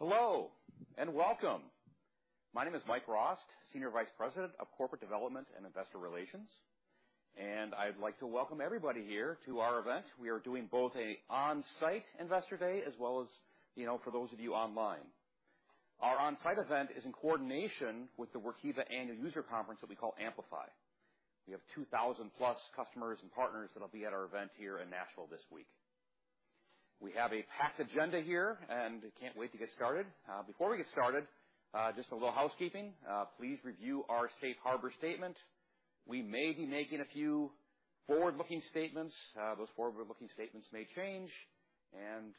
Hello, and welcome! My name is Mike Rost, Senior Vice President of Corporate Development and Investor Relations, and I'd like to welcome everybody here to our event. We are doing both an on-site Investor Day as well as, you know, for those of you online. Our on-site event is in coordination with the Workiva annual user conference that we call Amplify. We have 2,000+ customers and partners that will be at our event here in Nashville this week. We have a packed agenda here, and I can't wait to get started. Before we get started, just a little housekeeping. Please review our safe harbor statement. We may be making a few forward-looking statements. Those forward-looking statements may change, and,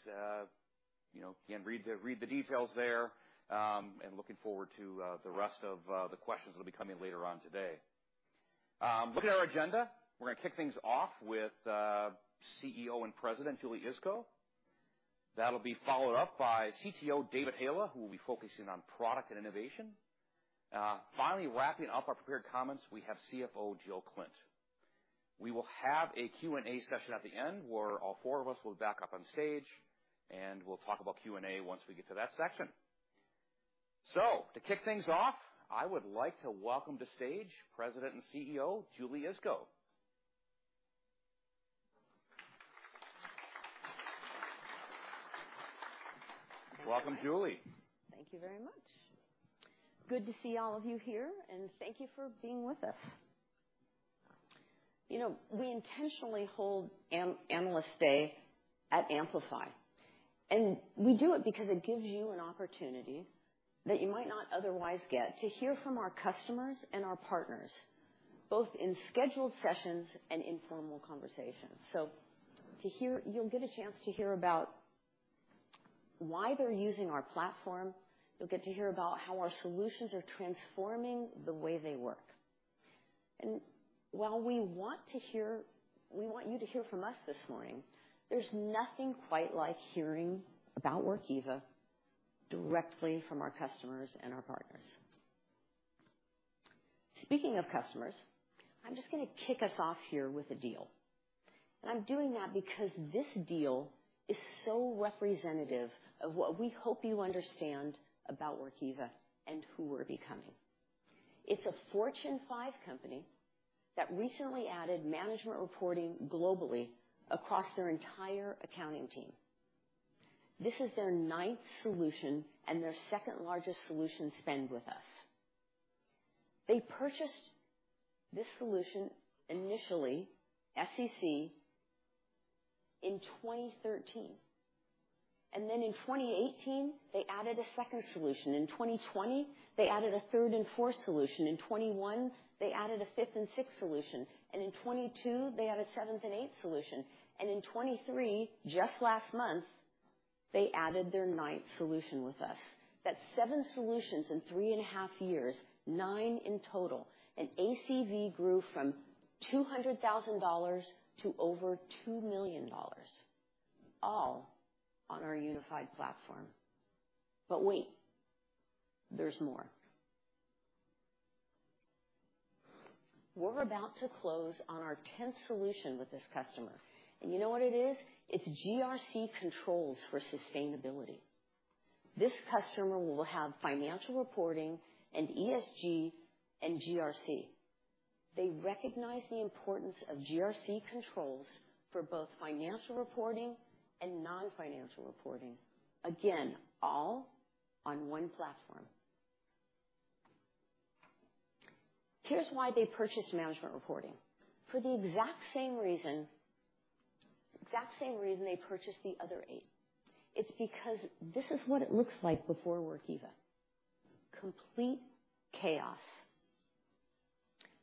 you know, again, read the, read the details there, and looking forward to, the rest of, the questions that'll be coming later on today. Looking at our agenda, we're gonna kick things off with, CEO and President, Julie Iskow. That'll be followed up by CTO, David Haila, who will be focusing on product and innovation. Finally, wrapping up our prepared comments, we have CFO, Jill Klindt. We will have a Q&A session at the end, where all four of us will be back up on stage, and we'll talk about Q&A once we get to that section. So to kick things off, I would like to welcome to stage President and CEO, Julie Iskow. Welcome, Julie. Thank you very much. Good to see all of you here, and thank you for being with us. You know, we intentionally hold an Analyst Day at Amplify, and we do it because it gives you an opportunity that you might not otherwise get to hear from our customers and our partners, both in scheduled sessions and informal conversations. So to hear... You'll get a chance to hear about why they're using our platform. You'll get to hear about how our solutions are transforming the way they work. And while we want to hear, we want you to hear from us this morning, there's nothing quite like hearing about Workiva directly from our customers and our partners. Speaking of customers, I'm just gonna kick us off here with a deal, and I'm doing that because this deal is so representative of what we hope you understand about Workiva and who we're becoming. It's a Fortune 5 company that recently added management reporting globally across their entire accounting team. This is their ninth solution and their second-largest solution spend with us. They purchased this solution, initially, SEC, in 2013, and then in 2018, they added a second solution. In 2020, they added a third and fourth solution. In 2021, they added a fifth and sixth solution, and in 2022, they added seventh and eighth solution. And in 2023, just last month, they added their ninth solution with us. That's 7 solutions in three and a half years, 9 in total, and ACV grew from $200,000 to over $2 million, all on our unified platform. But wait, there's more. We're about to close on our tenth solution with this customer, and you know what it is? It's GRC controls for sustainability. This customer will have financial reporting and ESG and GRC. They recognize the importance of GRC controls for both financial reporting and non-financial reporting. Again, all on one platform. Here's why they purchased management reporting. For the exact same reason, exact same reason they purchased the other eight. It's because this is what it looks like before Workiva: complete chaos,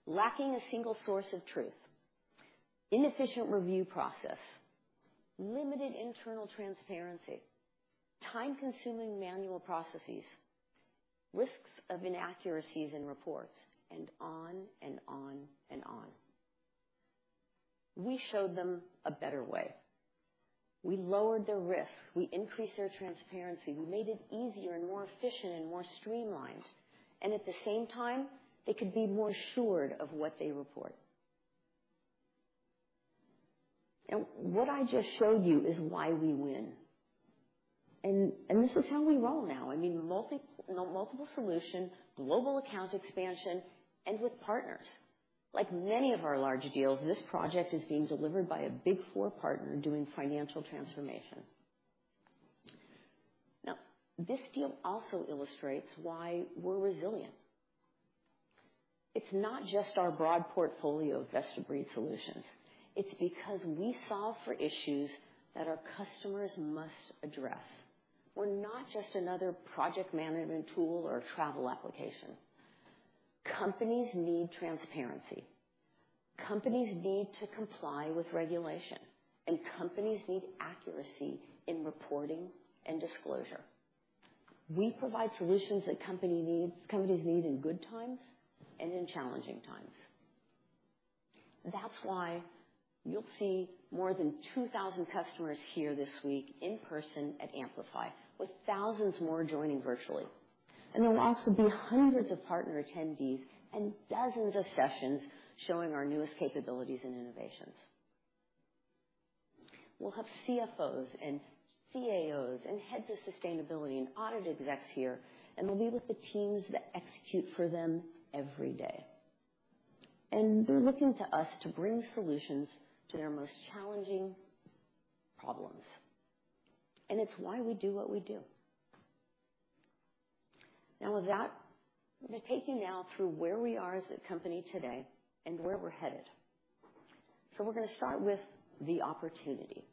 lacking a single source of truth, inefficient review process, limited internal transparency, time-consuming manual processes, risks of inaccuracies in reports, and on and on and on. We showed them a better way. We lowered their risk, we increased their transparency, we made it easier and more efficient and more streamlined, and at the same time, they could be more assured of what they report. What I just showed you is why we win. This is how we roll now. I mean, multiple solution, global account expansion, and with partners. Like many of our large deals, this project is being delivered by a Big Four partner doing financial transformation. Now, this deal also illustrates why we're resilient. It's not just our broad portfolio of best-of-breed solutions. It's because we solve for issues that our customers must address. We're not just another project management tool or travel application. Companies need transparency. Companies need to comply with regulation, and companies need accuracy in reporting and disclosure. We provide solutions that companies need in good times and in challenging times. That's why you'll see more than 2,000 customers here this week in person at Amplify, with thousands more joining virtually. And there'll also be hundreds of partner attendees and dozens of sessions showing our newest capabilities and innovations. We'll have CFOs and CAOs and heads of sustainability and audit execs here, and they'll be with the teams that execute for them every day. And they're looking to us to bring solutions to their most challenging problems, and it's why we do what we do. Now, with that, I'm gonna take you now through where we are as a company today and where we're headed. So we're gonna start with the opportunity.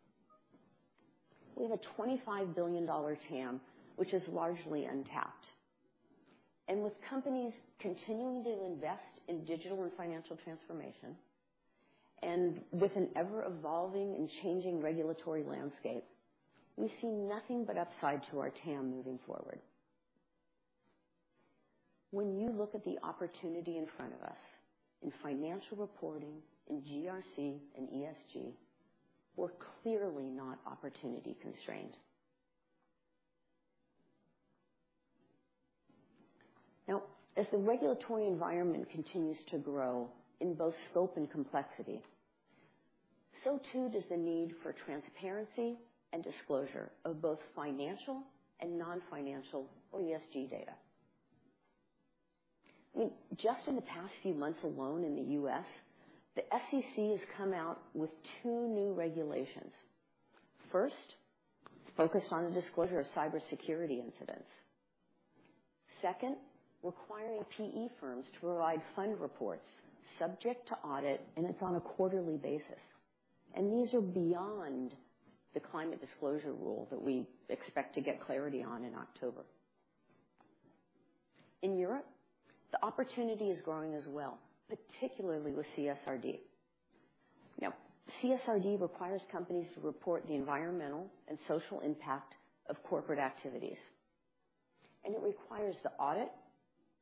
We have a $25 billion TAM, which is largely untapped. And with companies continuing to invest in digital and financial transformation, and with an ever-evolving and changing regulatory landscape, we see nothing but upside to our TAM moving forward. When you look at the opportunity in front of us, in financial reporting, in GRC and ESG, we're clearly not opportunity constrained. Now, as the regulatory environment continues to grow in both scope and complexity, so too does the need for transparency and disclosure of both financial and non-financial or ESG data. Just in the past few months alone in the U.S., the SEC has come out with two new regulations. First, focused on the disclosure of cybersecurity incidents. Second, requiring PE firms to provide fund reports subject to audit, and it's on a quarterly basis. These are beyond the climate disclosure rule that we expect to get clarity on in October. In Europe, the opportunity is growing as well, particularly with CSRD. Now, CSRD requires companies to report the environmental and social impact of corporate activities, and it requires the audit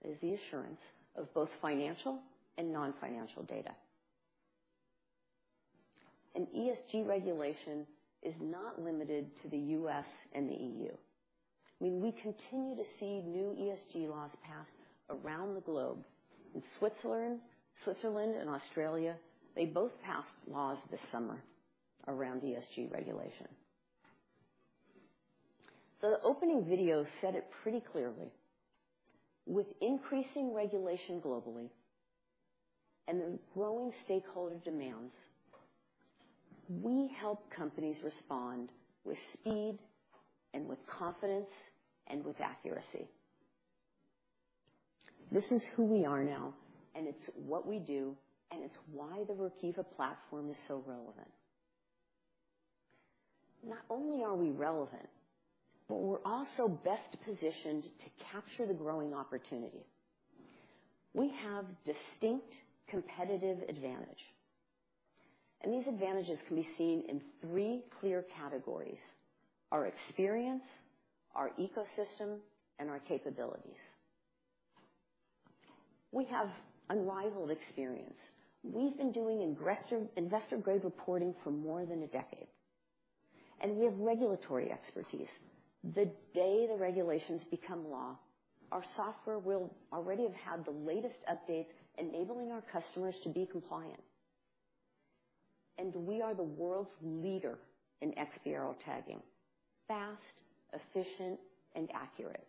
as the assurance of both financial and non-financial data. ESG regulation is not limited to the U.S. and the EU. I mean, we continue to see new ESG laws passed around the globe. In Switzerland and Australia, they both passed laws this summer around ESG regulation. The opening video said it pretty clearly. With increasing regulation globally and the growing stakeholder demands, we help companies respond with speed and with confidence and with accuracy. This is who we are now, and it's what we do, and it's why the Workiva platform is so relevant. Not only are we relevant, but we're also best positioned to capture the growing opportunity. We have distinct competitive advantage, and these advantages can be seen in three clear categories: our experience, our ecosystem, and our capabilities. We have unrivaled experience. We've been doing investor-grade reporting for more than a decade, and we have regulatory expertise. The day the regulations become law, our software will already have had the latest updates, enabling our customers to be compliant. And we are the world's leader in XBRL tagging, fast, efficient, and accurate.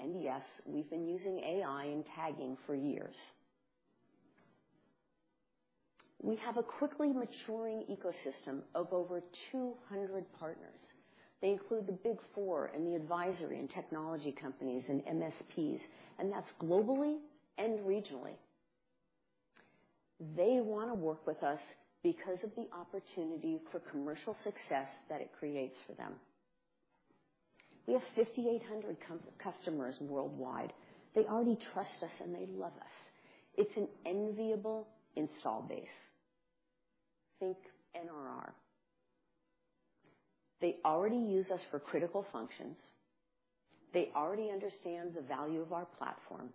And yes, we've been using AI in tagging for years. We have a quickly maturing ecosystem of over 200 partners. They include the Big Four and the advisory and technology companies and MSPs, and that's globally and regionally. They wanna work with us because of the opportunity for commercial success that it creates for them. We have 5,800 customers worldwide. They already trust us, and they love us. It's an enviable install base. Think NRR. They already use us for critical functions. They already understand the value of our platform,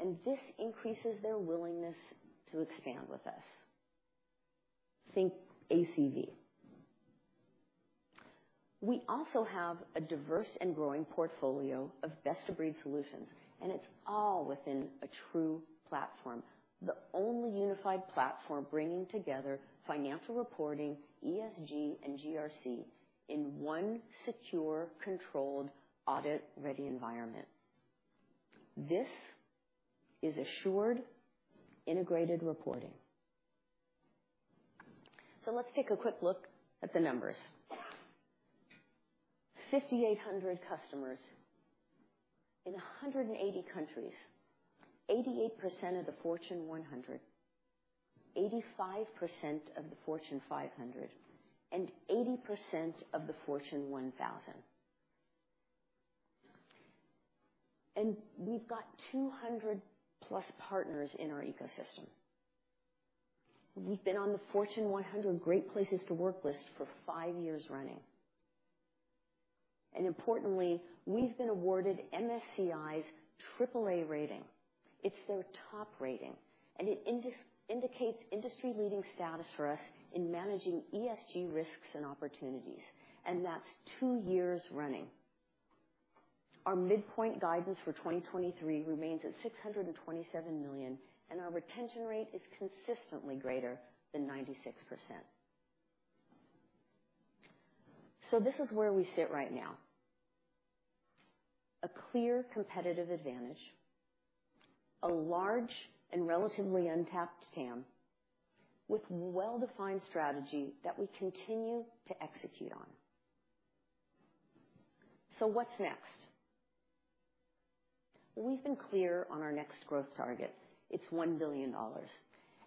and this increases their willingness to expand with us. Think ACV. We also have a diverse and growing portfolio of best-of-breed solutions, and it's all within a true platform, the only unified platform, bringing together financial reporting, ESG, and GRC in one secure, controlled, audit-ready environment. This is assured, integrated reporting. So let's take a quick look at the numbers. 5,800 customers in 180 countries, 88% of the Fortune 100, 85% of the Fortune 500, and 80% of the Fortune 1000. And we've got 200+ partners in our ecosystem. We've been on the Fortune 100 Great Places to Work list for 5 years running. And importantly, we've been awarded MSCI's AAA rating. It's their top rating, and it indicates industry-leading status for us in managing ESG risks and opportunities, and that's two years running. Our midpoint guidance for 2023 remains at $627 million, and our retention rate is consistently greater than 96%. So this is where we sit right now. A clear competitive advantage, a large and relatively untapped TAM, with well-defined strategy that we continue to execute on. So what's next? We've been clear on our next growth target. It's $1 billion,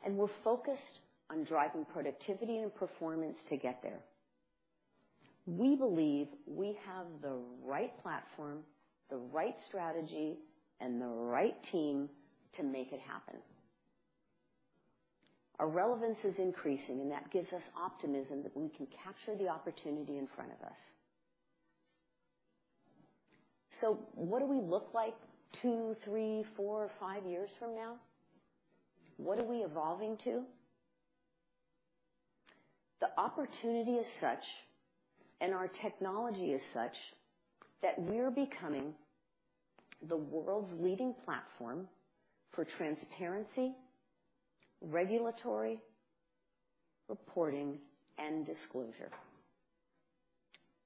and we're focused on driving productivity and performance to get there. We believe we have the right platform, the right strategy, and the right team to make it happen. Our relevance is increasing, and that gives us optimism that we can capture the opportunity in front of us. So what do we look like two, three, four, five years from now? What are we evolving to? The opportunity is such, and our technology is such, that we're becoming the world's leading platform for transparency, regulatory, reporting, and disclosure.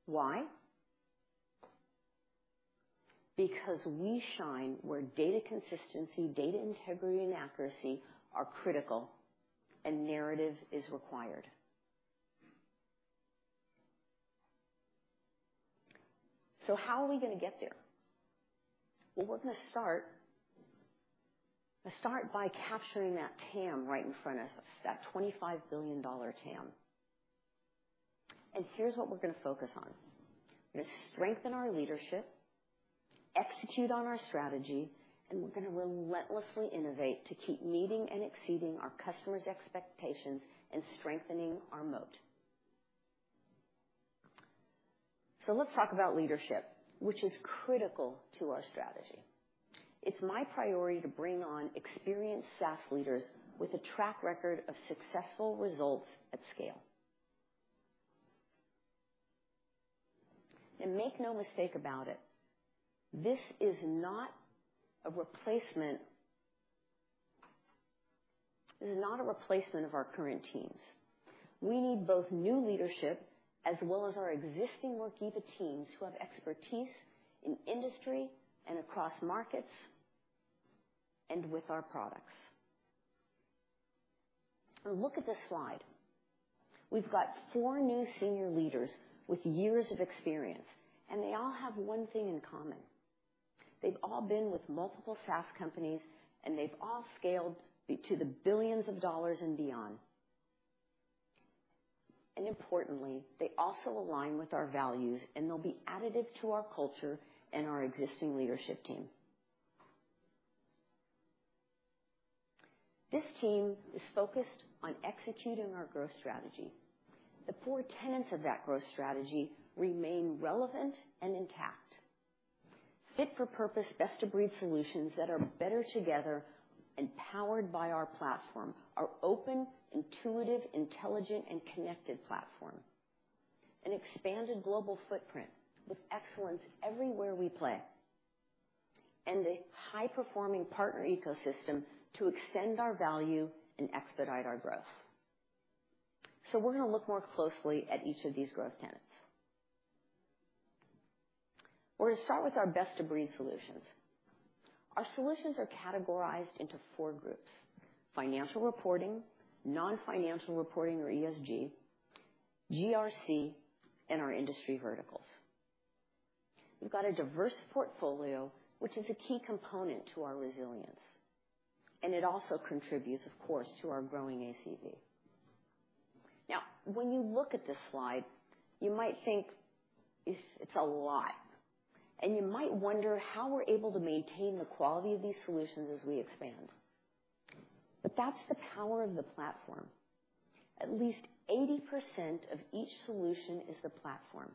Why? Because we shine where data consistency, data integrity, and accuracy are critical and narrative is required. So how are we gonna get there? Well, we're gonna start by capturing that TAM right in front of us, that $25 billion TAM. And here's what we're gonna focus on. We're gonna strengthen our leadership, execute on our strategy, and we're gonna relentlessly innovate to keep meeting and exceeding our customers' expectations and strengthening our moat. So let's talk about leadership, which is critical to our strategy. It's my priority to bring on experienced SaaS leaders with a track record of successful results at scale. And make no mistake about it, this is not a replacement... This is not a replacement of our current teams. We need both new leadership as well as our existing Workiva teams, who have expertise in industry and across markets and with our products. Look at this slide. We've got four new senior leaders with years of experience, and they all have one thing in common. They've all been with multiple SaaS companies, and they've all scaled to the billions of dollars and beyond. And importantly, they also align with our values, and they'll be additive to our culture and our existing leadership team. This team is focused on executing our growth strategy. The four tenets of that growth strategy remain relevant and intact. Fit-for-purpose, best-of-breed solutions that are better together and powered by our platform, our open, intuitive, intelligent, and connected platform. An expanded global footprint with excellence everywhere we play. A high-performing partner ecosystem to extend our value and expedite our growth. So we're gonna look more closely at each of these growth tenets. We're gonna start with our best-of-breed solutions. Our solutions are categorized into four groups: financial reporting, non-financial reporting or ESG, GRC, and our industry verticals. We've got a diverse portfolio, which is a key component to our resilience, and it also contributes, of course, to our growing ACV. Now, when you look at this slide, you might think it's, it's a lot, and you might wonder how we're able to maintain the quality of these solutions as we expand. But that's the power of the platform. At least 80% of each solution is the platform.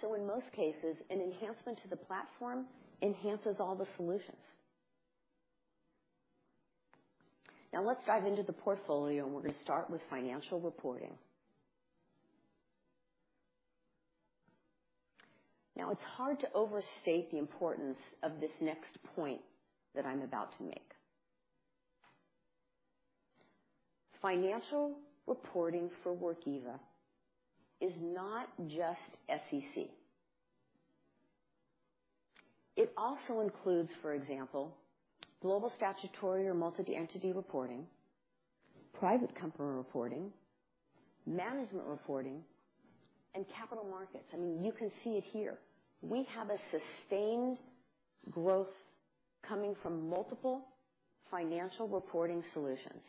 So in most cases, an enhancement to the platform enhances all the solutions. Now, let's dive into the portfolio, and we're gonna start with financial reporting. Now, it's hard to overstate the importance of this next point that I'm about to make. Financial reporting for Workiva is not just SEC. It also includes, for example, global statutory or multi-entity reporting, private company reporting, management reporting, and capital markets. I mean, you can see it here. We have a sustained growth coming from multiple financial reporting solutions.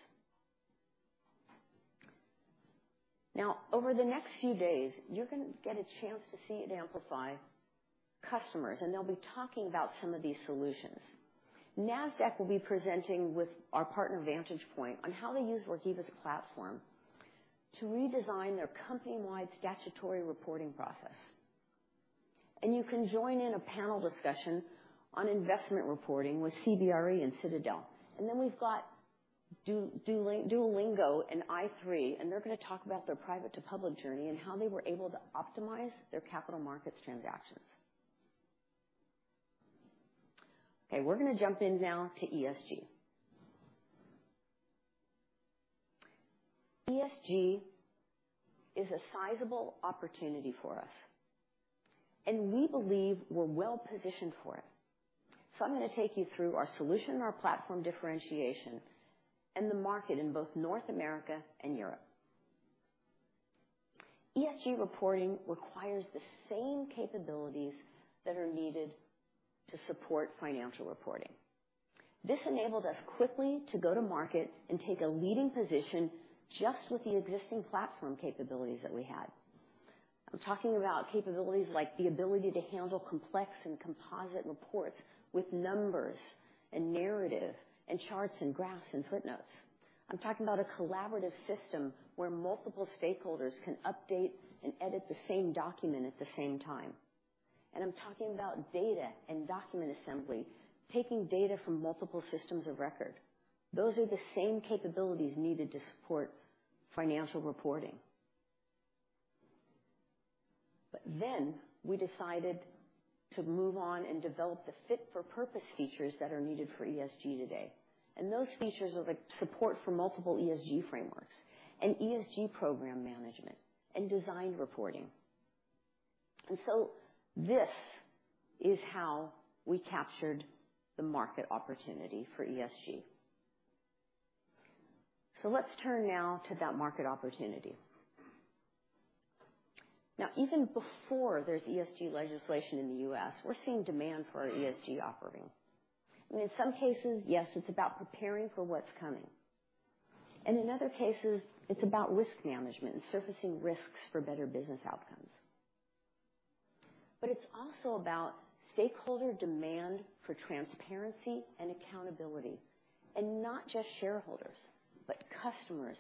Now, over the next few days, you're gonna get a chance to see it Amplify customers, and they'll be talking about some of these solutions. Nasdaq will be presenting with our partner, VantagePoint, on how they use Workiva's platform... to redesign their company-wide statutory reporting process. And you can join in a panel discussion on investment reporting with CBRE and Citadel. And then we've got Duolingo and i3, and they're gonna talk about their private-to-public journey and how they were able to optimize their capital markets transactions. Okay, we're gonna jump in now to ESG. ESG is a sizable opportunity for us, and we believe we're well positioned for it. So I'm gonna take you through our solution, our platform differentiation, and the market in both North America and Europe. ESG reporting requires the same capabilities that are needed to support financial reporting. This enabled us quickly to go to market and take a leading position just with the existing platform capabilities that we had. I'm talking about capabilities like the ability to handle complex and composite reports with numbers and narrative and charts and graphs and footnotes. I'm talking about a collaborative system where multiple stakeholders can update and edit the same document at the same time. And I'm talking about data and document assembly, taking data from multiple systems of record. Those are the same capabilities needed to support financial reporting. We decided to move on and develop the fit-for-purpose features that are needed for ESG today, and those features are the support for multiple ESG frameworks and ESG program management and design reporting. This is how we captured the market opportunity for ESG. Let's turn now to that market opportunity. Even before there's ESG legislation in the U.S., we're seeing demand for our ESG offering. In some cases, yes, it's about preparing for what's coming, and in other cases, it's about risk management and surfacing risks for better business outcomes. It's also about stakeholder demand for transparency and accountability, and not just shareholders, but customers,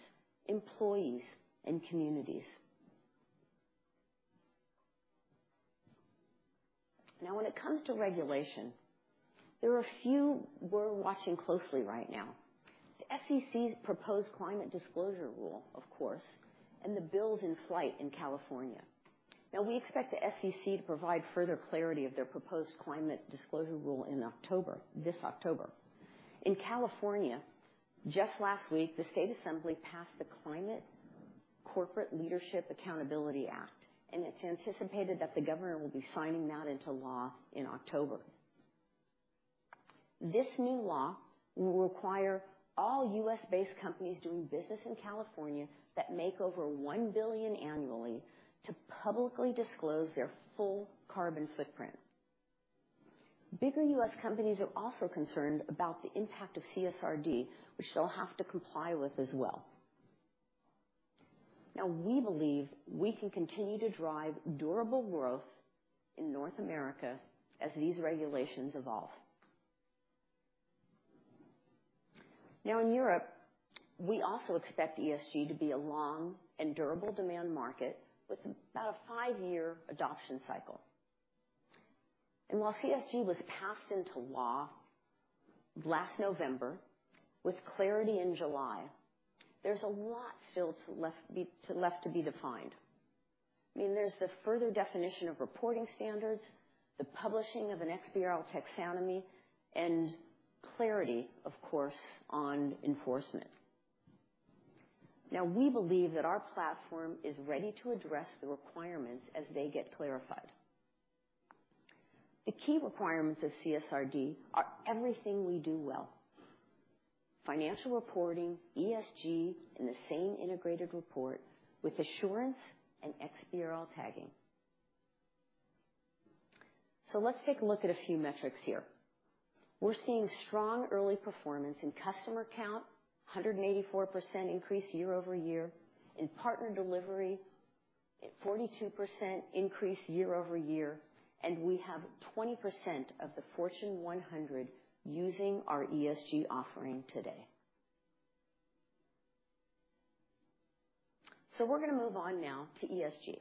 employees, and communities. When it comes to regulation, there are a few we're watching closely right now: the SEC's proposed climate disclosure rule, of course, and the bills in flight in California. Now, we expect the SEC to provide further clarity of their proposed climate disclosure rule in October, this October. In California, just last week, the state assembly passed the Climate Corporate Data Accountability Act, and it's anticipated that the governor will be signing that into law in October. This new law will require all U.S.-based companies doing business in California that make over $1 billion annually to publicly disclose their full carbon footprint. Bigger U.S. companies are also concerned about the impact of CSRD, which they'll have to comply with as well. Now, we believe we can continue to drive durable growth in North America as these regulations evolve. Now, in Europe, we also expect ESG to be a long and durable demand market with about a five-year adoption cycle. While CSRD was passed into law last November, with clarity in July, there's a lot still left to be defined. I mean, there's the further definition of reporting standards, the publishing of an XBRL taxonomy, and clarity, of course, on enforcement. Now, we believe that our platform is ready to address the requirements as they get clarified. The key requirements of CSRD are everything we do well: financial reporting, ESG, in the same integrated report with assurance and XBRL tagging. Let's take a look at a few metrics here. We're seeing strong early performance in customer count, 184% increase year-over-year, in partner delivery, at 42% increase year-over-year, and we have 20% of the Fortune 100 using our ESG offering today. We're gonna move on now to ESG.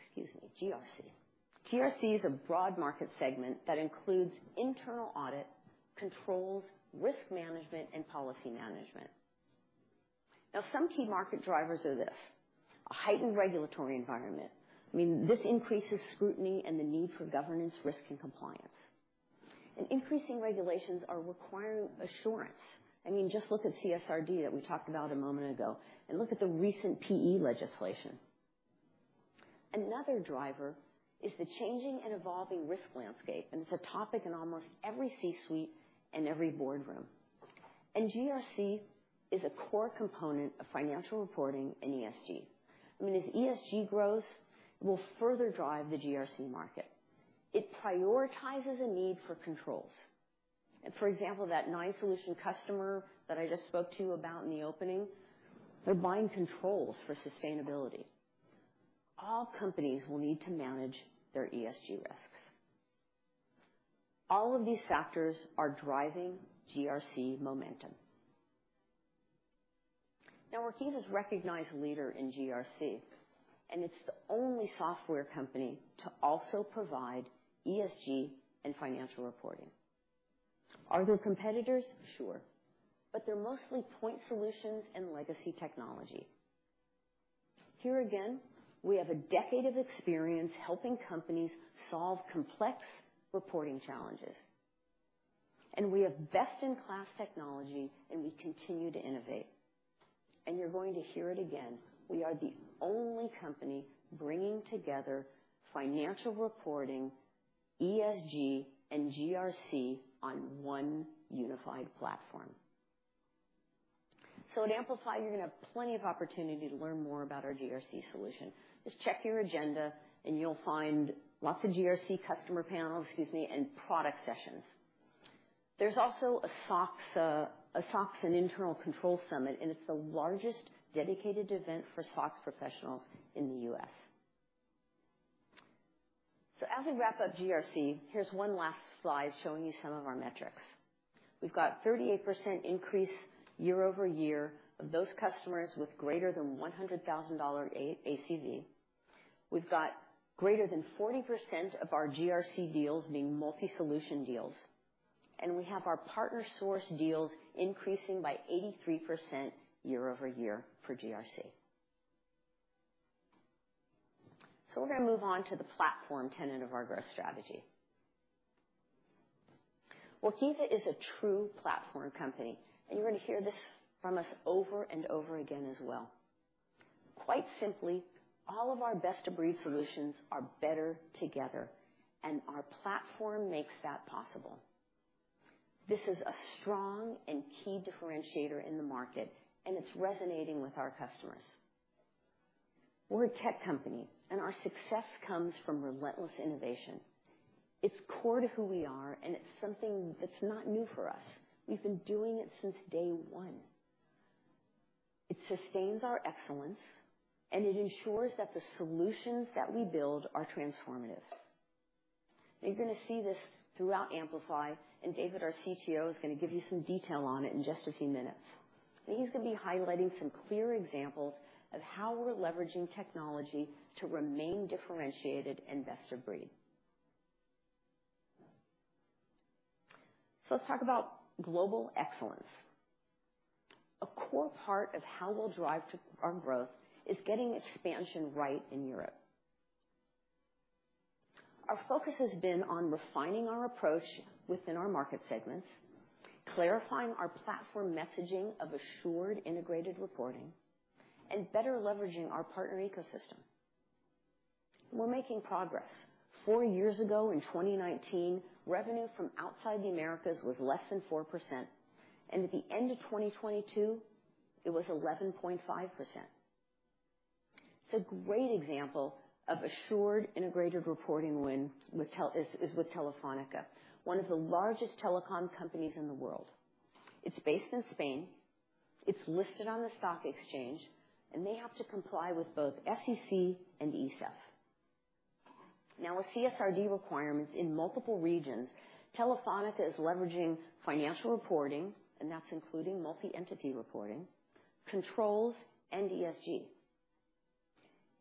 Excuse me, GRC. GRC is a broad market segment that includes internal audit, controls, risk management, and policy management. Now, some key market drivers are this: a heightened regulatory environment. I mean, this increases scrutiny and the need for governance, risk, and compliance. Increasing regulations are requiring assurance. I mean, just look at CSRD that we talked about a moment ago, and look at the recent PE legislation. Another driver is the changing and evolving risk landscape, and it's a topic in almost every C-suite and every boardroom. GRC is a core component of financial reporting in ESG. I mean, as ESG grows, it will further drive the GRC market. It prioritizes a need for controls. For example, that 9 solution customer that I just spoke to you about in the opening, they're buying controls for sustainability. All companies will need to manage their ESG risks. All of these factors are driving GRC momentum. Now, Workiva is a recognized leader in GRC, and it's the only software company to also provide ESG and financial reporting. Are there competitors? Sure, but they're mostly point solutions and legacy technology. Here again, we have a decade of experience helping companies solve complex reporting challenges, and we have best-in-class technology, and we continue to innovate. You're going to hear it again, we are the only company bringing together financial reporting, ESG, and GRC on one unified platform. At Amplify, you're going to have plenty of opportunity to learn more about our GRC solution. Just check your agenda, and you'll find lots of GRC customer panels, excuse me, and product sessions. There's also a SOX, a SOX and Internal Controls Summit, and it's the largest dedicated event for SOX professionals in the U.S. As we wrap up GRC, here's one last slide showing you some of our metrics. We've got 38% increase year-over-year of those customers with greater than $100,000 A-ACV. We've got greater than 40% of our GRC deals being multi-solution deals, and we have our partner-sourced deals increasing by 83% year-over-year for GRC. We're gonna move on to the platform tenet of our growth strategy. Workiva is a true platform company, and you're gonna hear this from us over and over again as well. Quite simply, all of our best-of-breed solutions are better together, and our platform makes that possible. This is a strong and key differentiator in the market, and it's resonating with our customers. We're a tech company, and our success comes from relentless innovation. It's core to who we are, and it's something that's not new for us. We've been doing it since day one. It sustains our excellence, and it ensures that the solutions that we build are transformative. You're gonna see this throughout Amplify, and David, our CTO, is gonna give you some detail on it in just a few minutes. He's gonna be highlighting some clear examples of how we're leveraging technology to remain differentiated and best-of-breed. Let's talk about global excellence. A core part of how we'll drive to our growth is getting expansion right in Europe. Our focus has been on refining our approach within our market segments, clarifying our platform messaging of Assured Integrated Reporting, and better leveraging our partner ecosystem. We're making progress. Four years ago, in 2019, revenue from outside the Americas was less than 4%, and at the end of 2022, it was 11.5%. So, a great example of Assured Integrated Reporting win with Telefónica is with Telefónica, one of the largest telecom companies in the world. It's based in Spain, it's listed on the stock exchange, and they have to comply with both SEC and ESEF. Now, with CSRD requirements in multiple regions, Telefónica is leveraging financial reporting, and that's including multi-entity reporting, controls, and ESG.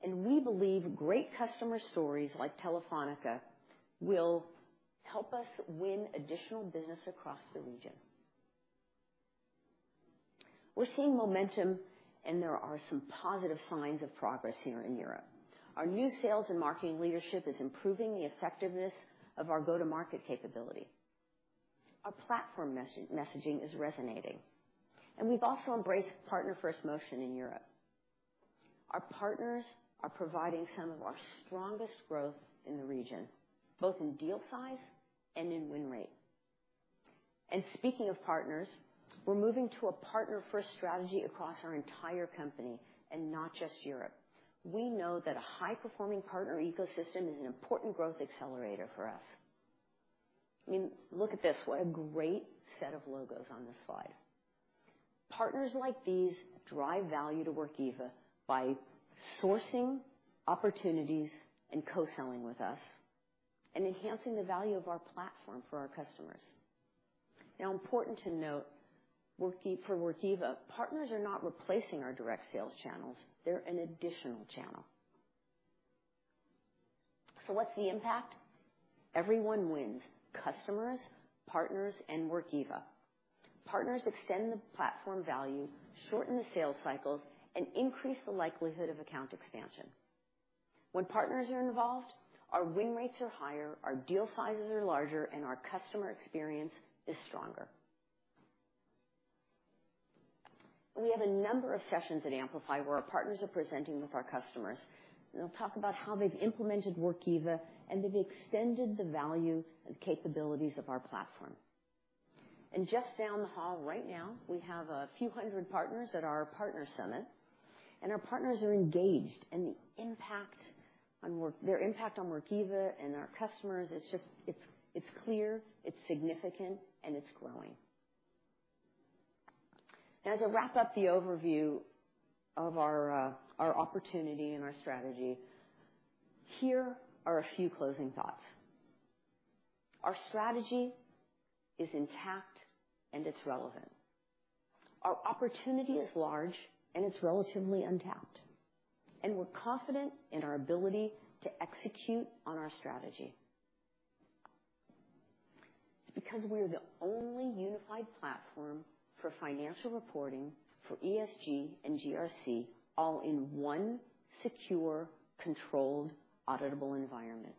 And we believe great customer stories like Telefónica will help us win additional business across the region. We're seeing momentum, and there are some positive signs of progress here in Europe. Our new sales and marketing leadership is improving the effectiveness of our go-to-market capability. Our platform messaging is resonating, and we've also embraced partner-first motion in Europe. Our partners are providing some of our strongest growth in the region, both in deal size and in win rate. Speaking of partners, we're moving to a partner-first strategy across our entire company, and not just Europe. We know that a high-performing partner ecosystem is an important growth accelerator for us. I mean, look at this, what a great set of logos on this slide. Partners like these drive value to Workiva by sourcing opportunities and co-selling with us and enhancing the value of our platform for our customers. Now, important to note, Workiva, for Workiva, partners are not replacing our direct sales channels. They're an additional channel. So what's the impact? Everyone wins: customers, partners, and Workiva. Partners extend the platform value, shorten the sales cycles, and increase the likelihood of account expansion. When partners are involved, our win rates are higher, our deal sizes are larger, and our customer experience is stronger. We have a number of sessions at Amplify where our partners are presenting with our customers. And they'll talk about how they've implemented Workiva, and they've extended the value and capabilities of our platform. And just down the hall right now, we have a few hundred partners at our Partner Summit, and our partners are engaged, and the impact on Workiva, their impact on Workiva and our customers, it's just, it's, it's clear, it's significant, and it's growing. As I wrap up the overview of our opportunity and our strategy, here are a few closing thoughts. Our strategy is intact, and it's relevant. Our opportunity is large, and it's relatively untapped, and we're confident in our ability to execute on our strategy. Because we're the only unified platform for financial reporting for ESG and GRC, all in one secure, controlled, auditable environment.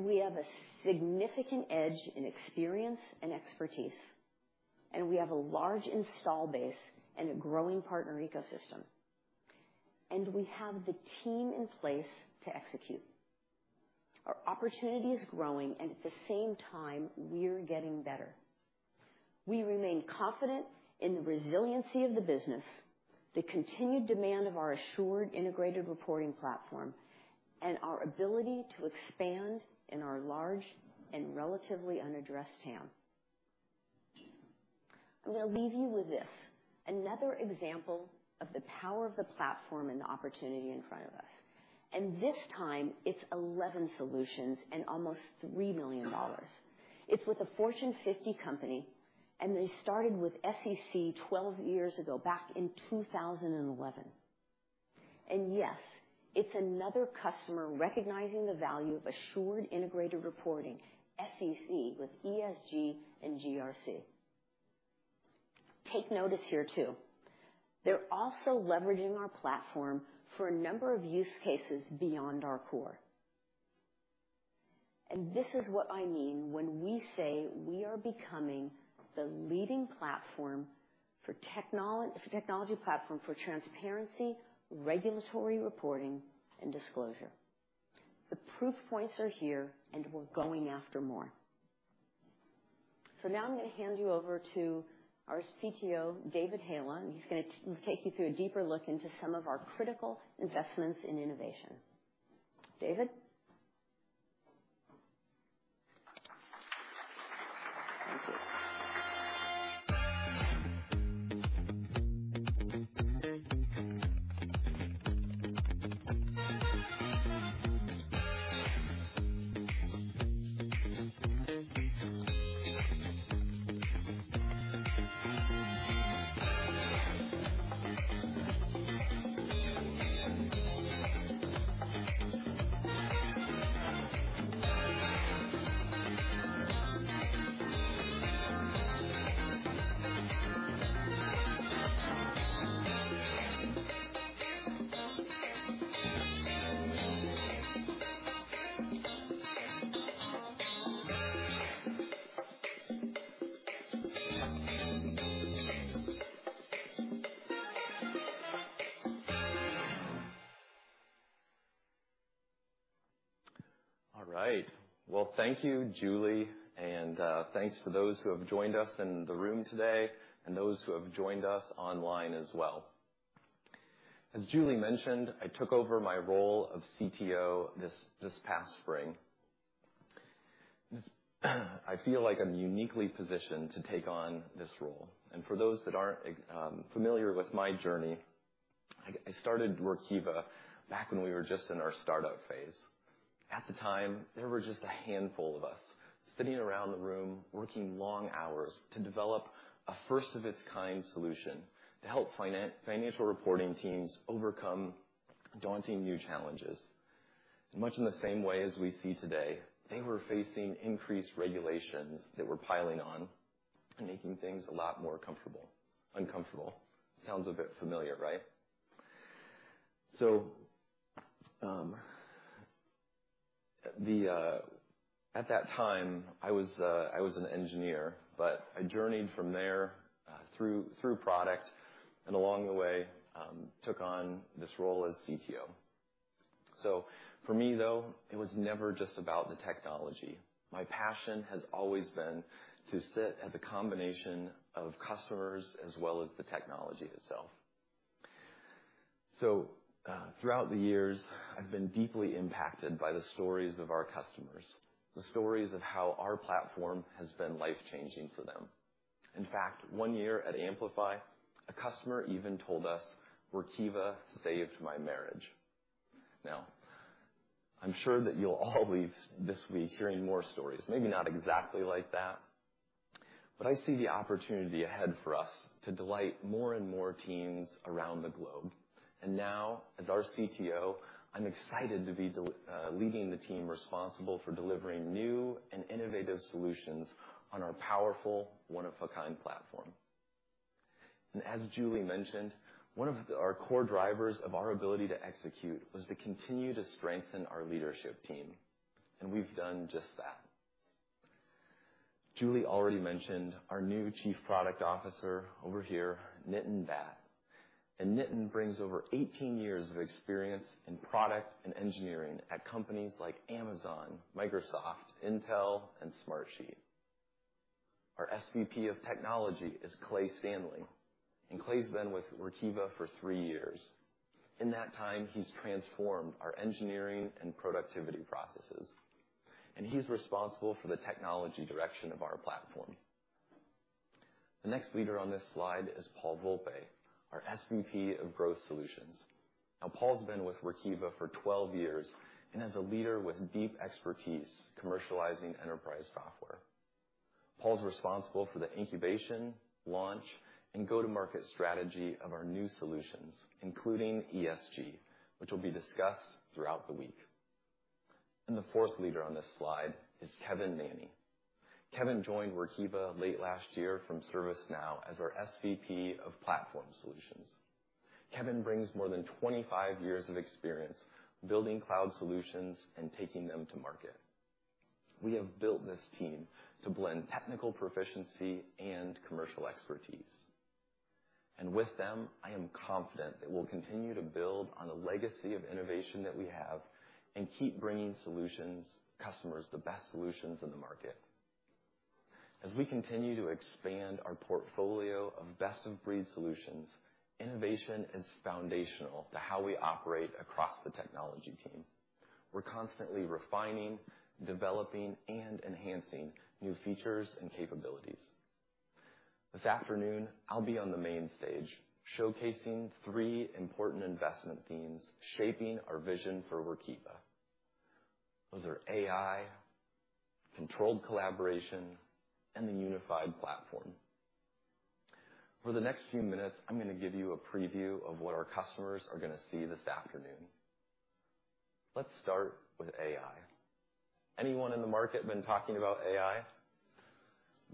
We have a significant edge in experience and expertise, and we have a large install base and a growing partner ecosystem, and we have the team in place to execute. Our opportunity is growing, and at the same time, we're getting better. We remain confident in the resiliency of the business, the continued demand of our Assured Integrated Reporting platform, and our ability to expand in our large and relatively unaddressed TAM. I'm going to leave you with this, another example of the power of the platform and the opportunity in front of us, and this time it's 11 solutions and almost $3 million. It's with a Fortune 50 company, and they started with SEC 12 years ago, back in 2011. Yes, it's another customer recognizing the value of Assured Integrated Reporting, SEC, with ESG and GRC. Take notice here, too. They're also leveraging our platform for a number of use cases beyond our core. And this is what I mean when we say we are becoming the leading platform for technology platform for transparency, regulatory reporting, and disclosure. The proof points are here, and we're going after more. So now I'm going to hand you over to our CTO, David Haila. He's going to take you through a deeper look into some of our critical investments in innovation. David? All right. Well, thank you, Julie, and thank you to those who have joined us in the room today and those who have joined us online as well. As Julie mentioned, I took over my role of CTO this past spring. I feel like I'm uniquely positioned to take on this role. For those that aren't familiar with my journey, I started Workiva back when we were just in our startup phase. At the time, there were just a handful of us sitting around the room, working long hours to develop a first-of-its-kind solution to help financial reporting teams overcome daunting new challenges. Much in the same way as we see today, they were facing increased regulations that were piling on and making things a lot more comfortable... Uncomfortable. Sounds a bit familiar, right? So, at that time, I was an engineer, but I journeyed from there through product, and along the way took on this role as CTO. So for me, though, it was never just about the technology. My passion has always been to sit at the combination of customers as well as the technology itself. So, throughout the years, I've been deeply impacted by the stories of our customers, the stories of how our platform has been life-changing for them. In fact, one year at Amplify, a customer even told us, "Workiva saved my marriage." Now, I'm sure that you'll all be this week hearing more stories, maybe not exactly like that, but I see the opportunity ahead for us to delight more and more teams around the globe. And now, as our CTO, I'm excited to be de... Leading the team responsible for delivering new and innovative solutions on our powerful, one-of-a-kind platform. And as Julie mentioned, one of our core drivers of our ability to execute was to continue to strengthen our leadership team, and we've done just that. Julie already mentioned our new Chief Product Officer over here, Nitin Bhat. And Nitin brings over 18 years of experience in product and engineering at companies like Amazon, Microsoft, Intel, and Smartsheet. Our SVP of Technology is Clay Stanley, and Clay's been with Workiva for 3 years. In that time, he's transformed our engineering and productivity processes... and he's responsible for the technology direction of our platform. The next leader on this slide is Paul Volpe, our SVP of Growth Solutions. Now, Paul's been with Workiva for 12 years and is a leader with deep expertise commercializing enterprise software. Paul's responsible for the incubation, launch, and go-to-market strategy of our new solutions, including ESG, which will be discussed throughout the week. The fourth leader on this slide is Kevin Mannie. Kevin joined Workiva late last year from ServiceNow as our SVP of Platform Solutions. Kevin brings more than 25 years of experience building cloud solutions and taking them to market. We have built this team to blend technical proficiency and commercial expertise, and with them, I am confident that we'll continue to build on the legacy of innovation that we have and keep bringing solutions, customers, the best solutions in the market. As we continue to expand our portfolio of best-of-breed solutions, innovation is foundational to how we operate across the technology team. We're constantly refining, developing, and enhancing new features and capabilities. This afternoon, I'll be on the main stage showcasing three important investment themes shaping our vision for Workiva. Those are AI, controlled collaboration, and the unified platform. For the next few minutes, I'm gonna give you a preview of what our customers are gonna see this afternoon. Let's start with AI. Anyone in the market been talking about AI?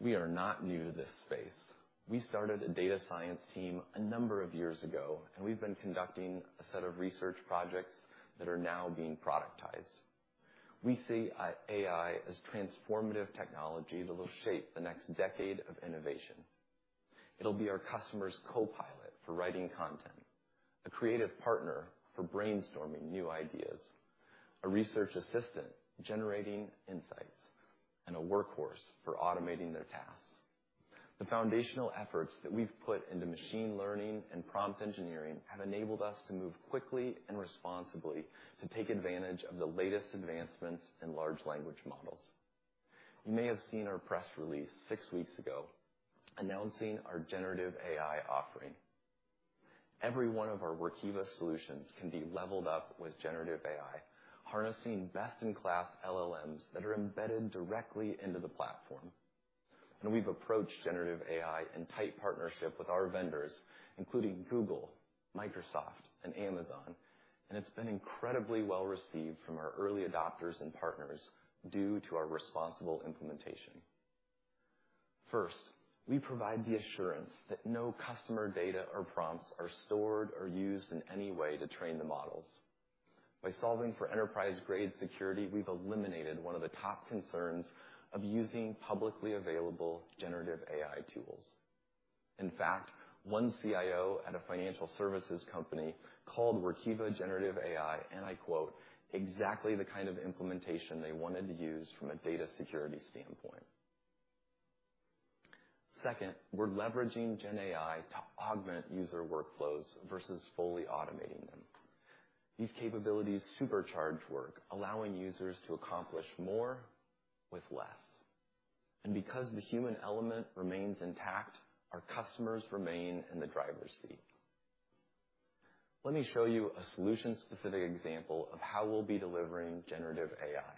We are not new to this space. We started a data science team a number of years ago, and we've been conducting a set of research projects that are now being productized. We see AI as transformative technology that will shape the next decade of innovation. It'll be our customer's co-pilot for writing content, a creative partner for brainstorming new ideas, a research assistant generating insights, and a workhorse for automating their tasks. The foundational efforts that we've put into machine learning and prompt engineering have enabled us to move quickly and responsibly to take advantage of the latest advancements in large language models. You may have seen our press release six weeks ago announcing our generative AI offering. Every one of our Workiva solutions can be leveled up with generative AI, harnessing best-in-class LLMs that are embedded directly into the platform. We've approached generative AI in tight partnership with our vendors, including Google, Microsoft, and Amazon, and it's been incredibly well received from our early adopters and partners due to our responsible implementation. First, we provide the assurance that no customer data or prompts are stored or used in any way to train the models. By solving for enterprise-grade security, we've eliminated one of the top concerns of using publicly available generative AI tools. In fact, one CIO at a financial services company called Workiva generative AI, and I quote, "Exactly the kind of implementation they wanted to use from a data security standpoint." Second, we're leveraging GenAI to augment user workflows versus fully automating them. These capabilities supercharge work, allowing users to accomplish more with less. And because the human element remains intact, our customers remain in the driver's seat. Let me show you a solution-specific example of how we'll be delivering generative AI.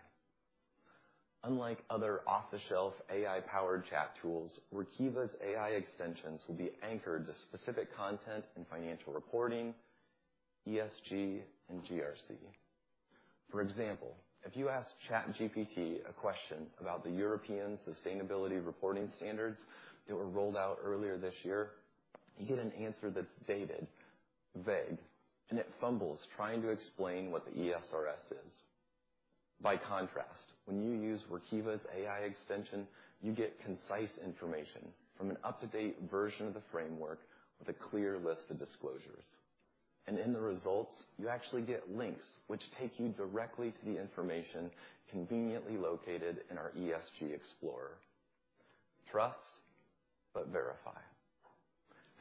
Unlike other off-the-shelf AI-powered chat tools, Workiva's AI extensions will be anchored to specific content in financial reporting, ESG, and GRC. For example, if you ask ChatGPT a question about the European Sustainability Reporting Standards that were rolled out earlier this year, you get an answer that's dated, vague, and it fumbles trying to explain what the ESRS is. By contrast, when you use Workiva's AI extension, you get concise information from an up-to-date version of the framework with a clear list of disclosures. In the results, you actually get links, which take you directly to the information conveniently located in our ESG Explorer. Trust, but verify.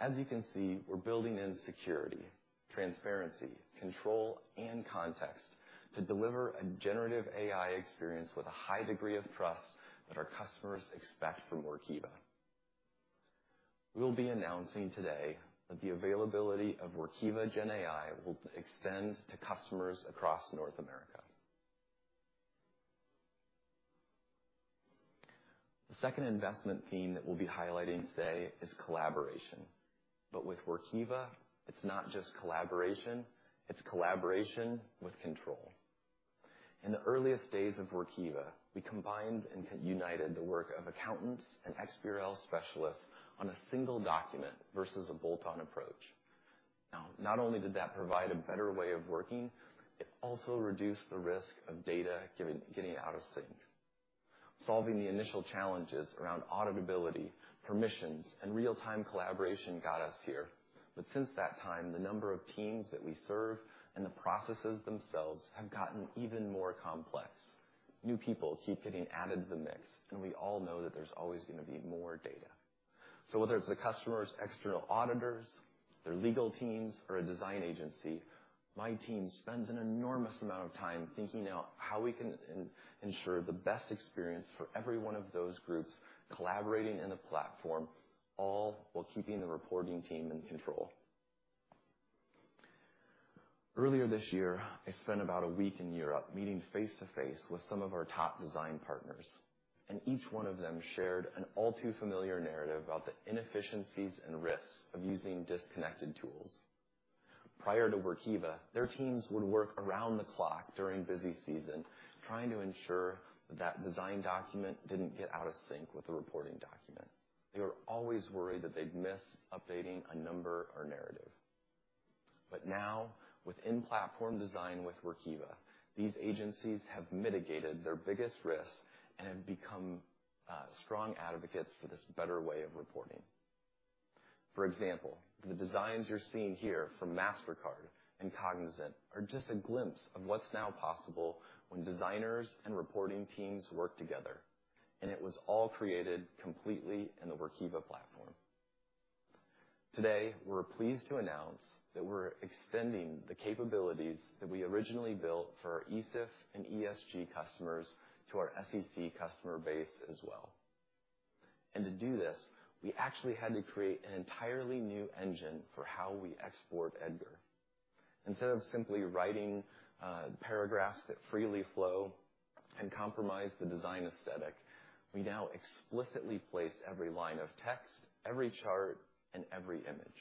As you can see, we're building in security, transparency, control, and context to deliver a generative AI experience with a high degree of trust that our customers expect from Workiva. We'll be announcing today that the availability of Workiva GenAI will extend to customers across North America. The second investment theme that we'll be highlighting today is collaboration. With Workiva, it's not just collaboration, it's collaboration with control. In the earliest days of Workiva, we combined and united the work of accountants and XBRL specialists on a single document versus a bolt-on approach. Now, not only did that provide a better way of working, it also reduced the risk of data getting out of sync. Solving the initial challenges around auditability, permissions, and real-time collaboration got us here. But since that time, the number of teams that we serve and the processes themselves have gotten even more complex. New people keep getting added to the mix, and we all know that there's always gonna be more data…. So whether it's the customer's external auditors, their legal teams, or a design agency, my team spends an enormous amount of time thinking out how we can ensure the best experience for every one of those groups, collaborating in the platform, all while keeping the reporting team in control. Earlier this year, I spent about a week in Europe meeting face-to-face with some of our top design partners, and each one of them shared an all-too-familiar narrative about the inefficiencies and risks of using disconnected tools. Prior to Workiva, their teams would work around the clock during busy season, trying to ensure that design document didn't get out of sync with the reporting document. They were always worried that they'd missed updating a number or narrative. But now, with in-platform design with Workiva, these agencies have mitigated their biggest risks and have become strong advocates for this better way of reporting. For example, the designs you're seeing here from Mastercard and Cognizant are just a glimpse of what's now possible when designers and reporting teams work together, and it was all created completely in the Workiva platform. Today, we're pleased to announce that we're extending the capabilities that we originally built for our ESEF and ESG customers to our SEC customer base as well. To do this, we actually had to create an entirely new engine for how we export EDGAR. Instead of simply writing paragraphs that freely flow and compromise the design aesthetic, we now explicitly place every line of text, every chart, and every image.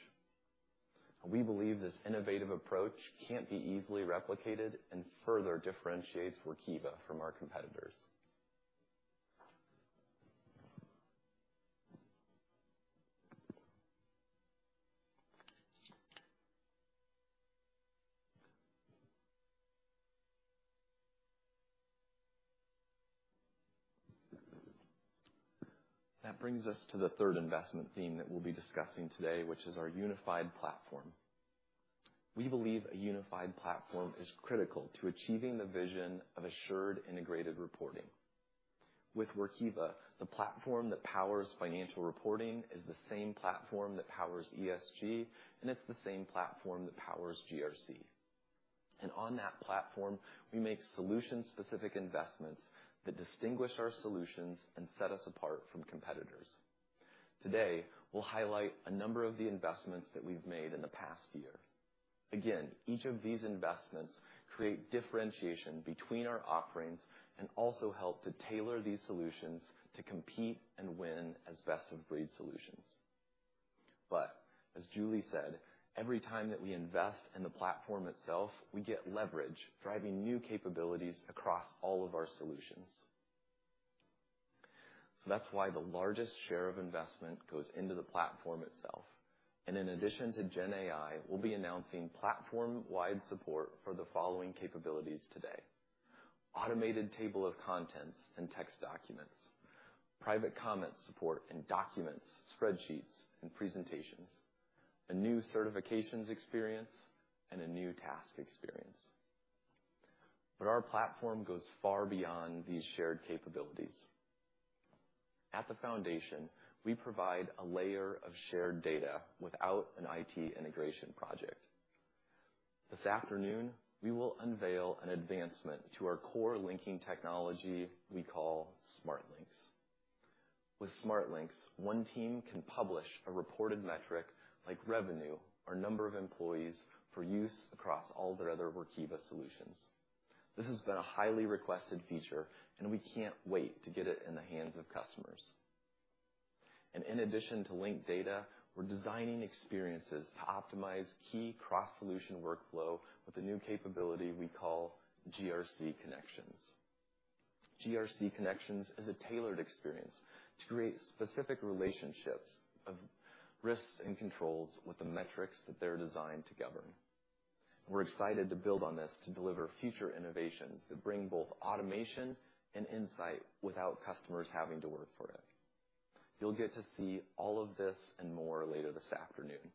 We believe this innovative approach can't be easily replicated and further differentiates Workiva from our competitors. That brings us to the third investment theme that we'll be discussing today, which is our unified platform. We believe a unified platform is critical to achieving the vision of Assured Integrated Reporting. With Workiva, the platform that powers financial reporting is the same platform that powers ESG, and it's the same platform that powers GRC. On that platform, we make solution-specific investments that distinguish our solutions and set us apart from competitors. Today, we'll highlight a number of the investments that we've made in the past year. Again, each of these investments create differentiation between our offerings and also help to tailor these solutions to compete and win as best-of-breed solutions. As Julie said, every time that we invest in the platform itself, we get leverage, driving new capabilities across all of our solutions. That's why the largest share of investment goes into the platform itself. In addition to GenAI, we'll be announcing platform-wide support for the following capabilities today: automated table of contents and text documents, private comment support in documents, spreadsheets, and presentations, a new certifications experience, and a new task experience. Our platform goes far beyond these shared capabilities. At the foundation, we provide a layer of shared data without an IT integration project. This afternoon, we will unveil an advancement to our core linking technology we call Smart Links. With Smart Links, one team can publish a reported metric, like revenue or number of employees, for use across all their other Workiva solutions. This has been a highly requested feature, and we can't wait to get it in the hands of customers. And in addition to linked data, we're designing experiences to optimize key cross-solution workflow with a new capability we call GRC Connections. GRC Connections is a tailored experience to create specific relationships of risks and controls with the metrics that they're designed to govern. We're excited to build on this to deliver future innovations that bring both automation and insight without customers having to work for it. You'll get to see all of this and more later this afternoon.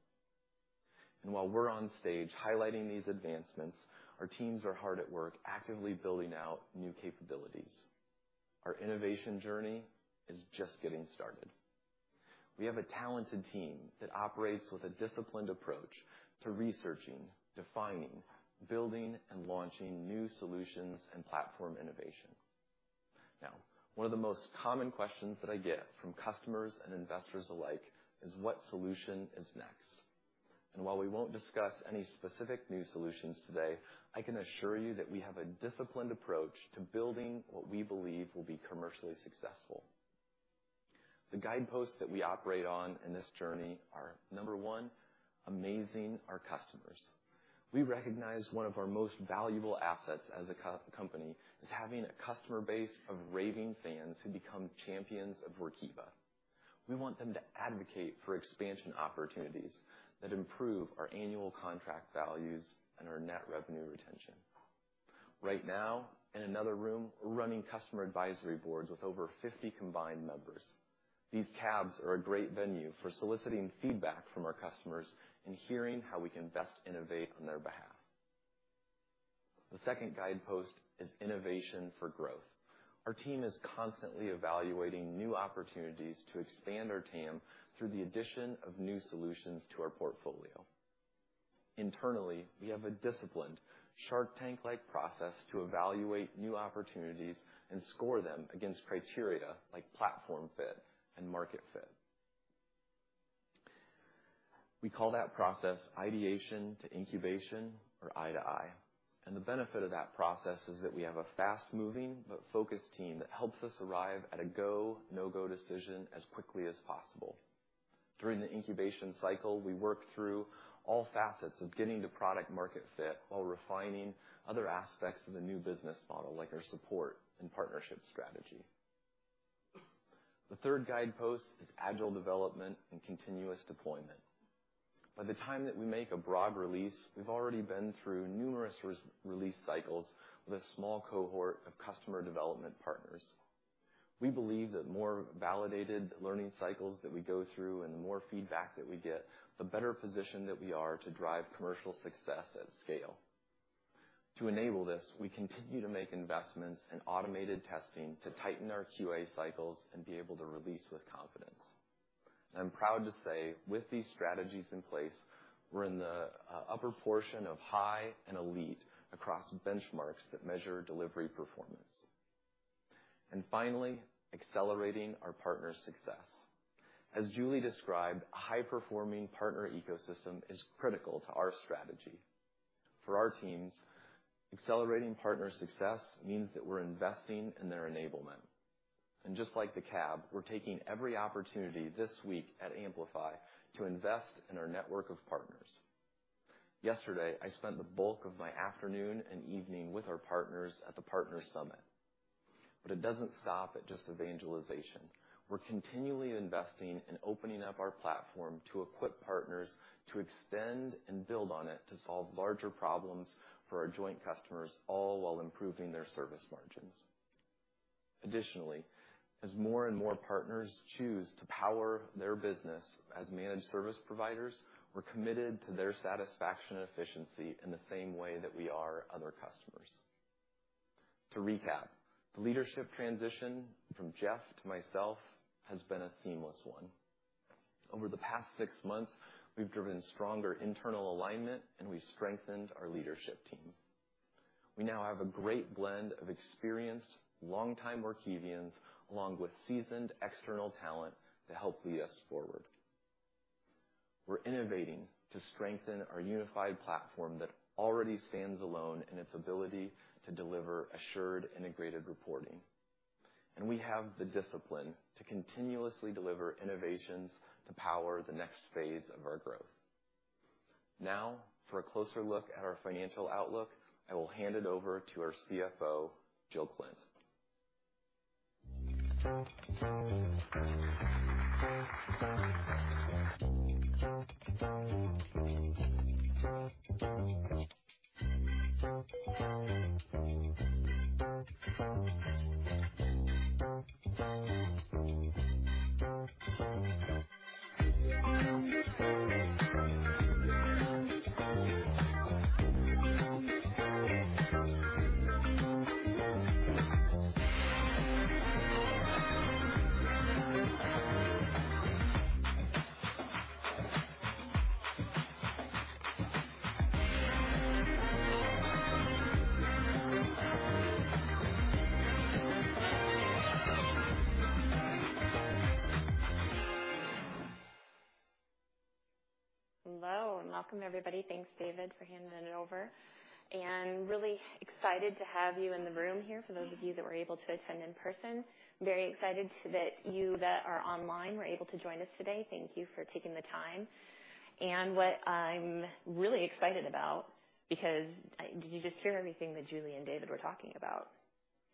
And while we're on stage highlighting these advancements, our teams are hard at work, actively building out new capabilities. Our innovation journey is just getting started. We have a talented team that operates with a disciplined approach to researching, defining, building, and launching new solutions and platform innovation. Now, one of the most common questions that I get from customers and investors alike is, "What solution is next?" And while we won't discuss any specific new solutions today, I can assure you that we have a disciplined approach to building what we believe will be commercially successful. The guideposts that we operate on in this journey are, number one, amazing our customers. We recognize one of our most valuable assets as a company is having a customer base of raving fans who become champions of Workiva. We want them to advocate for expansion opportunities that improve our annual contract values and our net revenue retention. Right now, in another room, we're running Customer Advisory Board with over 50 combined members. These CABs are a great venue for soliciting feedback from our customers and hearing how we can best innovate on their behalf. The second guidepost is innovation for growth. Our team is constantly evaluating new opportunities to expand our TAM through the addition of new solutions to our portfolio. Internally, we have a disciplined Shark Tank-like process to evaluate new opportunities and score them against criteria like platform fit and market fit. We call that process ideation to incubation, or I2I. The benefit of that process is that we have a fast-moving but focused team that helps us arrive at a go, no-go decision as quickly as possible. During the incubation cycle, we work through all facets of getting the product market fit while refining other aspects of the new business model, like our support and partnership strategy. The third guidepost is agile development and continuous deployment. By the time that we make a broad release, we've already been through numerous release cycles with a small cohort of customer development partners. We believe that more validated learning cycles that we go through and the more feedback that we get, the better positioned that we are to drive commercial success at scale. To enable this, we continue to make investments in automated testing to tighten our QA cycles and be able to release with confidence. I'm proud to say, with these strategies in place, we're in the upper portion of high and elite across benchmarks that measure delivery performance. And finally, accelerating our partner success. As Julie described, high-performing partner ecosystem is critical to our strategy. For our teams, accelerating partner success means that we're investing in their enablement. And just like the CAB, we're taking every opportunity this week at Amplify to invest in our network of partners. Yesterday, I spent the bulk of my afternoon and evening with our partners at the Partner Summit. But it doesn't stop at just evangelization. We're continually investing in opening up our platform to equip partners to extend and build on it, to solve larger problems for our joint customers, all while improving their service margins. Additionally, as more and more partners choose to power their business as managed service providers, we're committed to their satisfaction and efficiency in the same way that we are other customers. To recap, the leadership transition from Jeff to myself has been a seamless one. Over the past six months, we've driven stronger internal alignment, and we've strengthened our leadership team. We now have a great blend of experienced, long-time Workivians, along with seasoned external talent to help lead us forward. We're innovating to strengthen our unified platform that already stands alone in its ability to deliver Assured Integrated Reporting, and we have the discipline to continuously deliver innovations to power the next phase of our growth. Now, for a closer look at our financial outlook, I will hand it over to our CFO, Jill Klindt. Hello, and welcome, everybody. Thanks, David, for handing it over. And really excited to have you in the room here, for those of you that were able to attend in person. Very excited that you that are online were able to join us today. Thank you for taking the time. And what I'm really excited about, because did you just hear everything that Julie and David were talking about?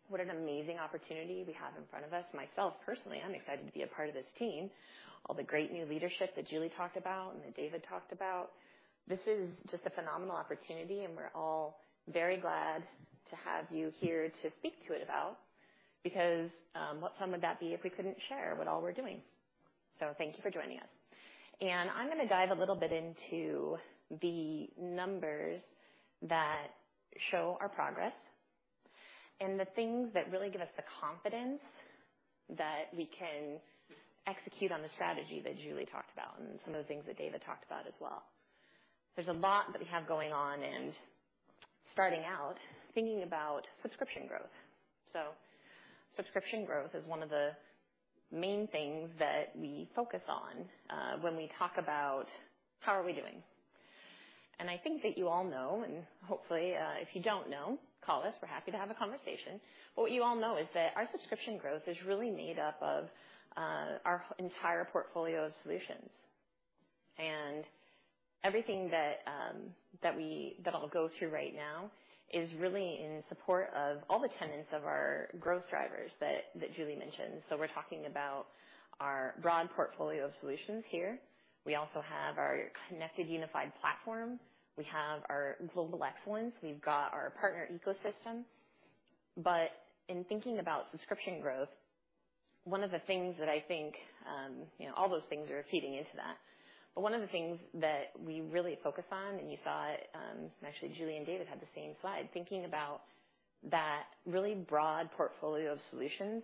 What an amazing opportunity we have in front of us. Myself, personally, I'm excited to be a part of this team. All the great new leadership that Julie talked about and that David talked about, this is just a phenomenal opportunity, and we're all very glad to have you here to speak to it about, because, what fun would that be if we couldn't share what all we're doing? So thank you for joining us. I'm gonna dive a little bit into the numbers that show our progress and the things that really give us the confidence that we can execute on the strategy that Julie talked about and some of the things that David talked about as well. There's a lot that we have going on, and starting out, thinking about subscription growth. Subscription growth is one of the main things that we focus on, when we talk about how are we doing. I think that you all know, and hopefully, if you don't know, call us. We're happy to have a conversation. What you all know is that our subscription growth is really made up of, our entire portfolio of solutions. Everything that I'll go through right now is really in support of all the tenets of our growth drivers that Julie mentioned. So we're talking about our broad portfolio of solutions here. We also have our connected, unified platform. We have our global excellence. We've got our partner ecosystem. But in thinking about subscription growth. One of the things that I think, you know, all those things are feeding into that. But one of the things that we really focus on, and you saw it, actually, Julie and David had the same slide, thinking about that really broad portfolio of solutions,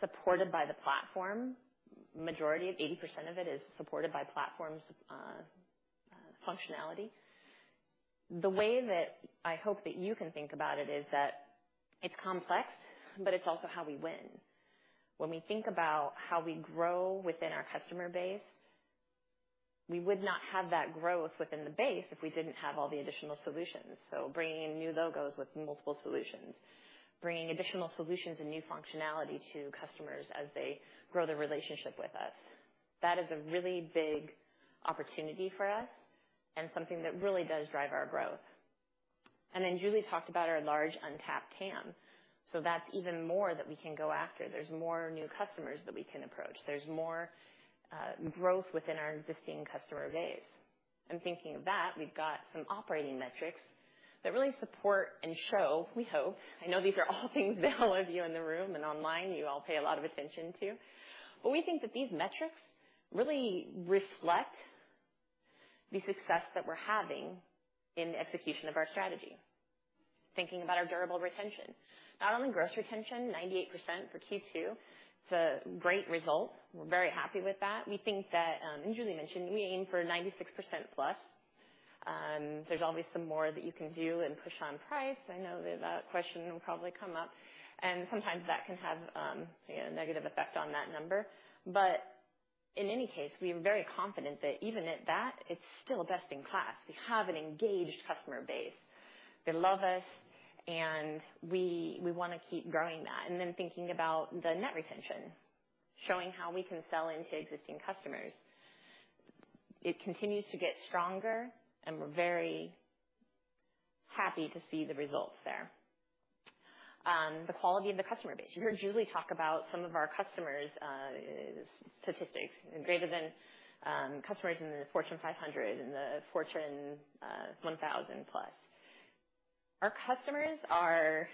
supported by the platform. Majority of 80% of it is supported by platform's functionality. The way that I hope that you can think about it is that it's complex, but it's also how we win. When we think about how we grow within our customer base, we would not have that growth within the base if we didn't have all the additional solutions. So bringing in new logos with multiple solutions, bringing additional solutions and new functionality to customers as they grow their relationship with us, that is a really big opportunity for us and something that really does drive our growth. And then Julie talked about our large untapped TAM, so that's even more that we can go after. There's more new customers that we can approach. There's more, growth within our existing customer base. And thinking of that, we've got some operating metrics that really support and show, we hope. I know these are all things that all of you in the room and online, you all pay a lot of attention to. We think that these metrics really reflect the success that we're having in the execution of our strategy. Thinking about our durable retention, not only gross retention, 98% for Q2, it's a great result. We're very happy with that. We think that, as Julie mentioned, we aim for 96% plus. There's always some more that you can do and push on price. I know that question will probably come up, and sometimes that can have a negative effect on that number. In any case, we are very confident that even at that, it's still best in class. We have an engaged customer base. They love us, and we want to keep growing that. Then thinking about the net retention, showing how we can sell into existing customers. It continues to get stronger, and we're very happy to see the results there. The quality of the customer base. You heard Julie talk about some of our customers, statistics greater than, customers in the Fortune 500 and the Fortune 1000 plus. Our customers are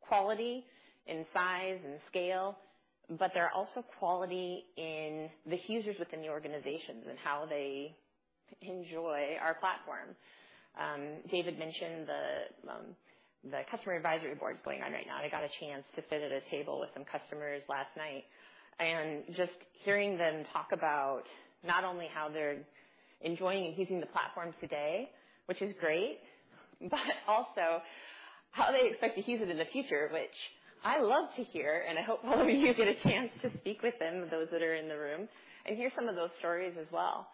quality in size and scale, but they're also quality in the users within the organizations and how they enjoy our platform. David mentioned the Customer Advisory Board is going on right now. I got a chance to sit at a table with some customers last night, and just hearing them talk about not only how they're enjoying and using the platform today, which is great, but also how they expect to use it in the future, which I love to hear, and I hope all of you get a chance to speak with them, those that are in the room, and hear some of those stories as well.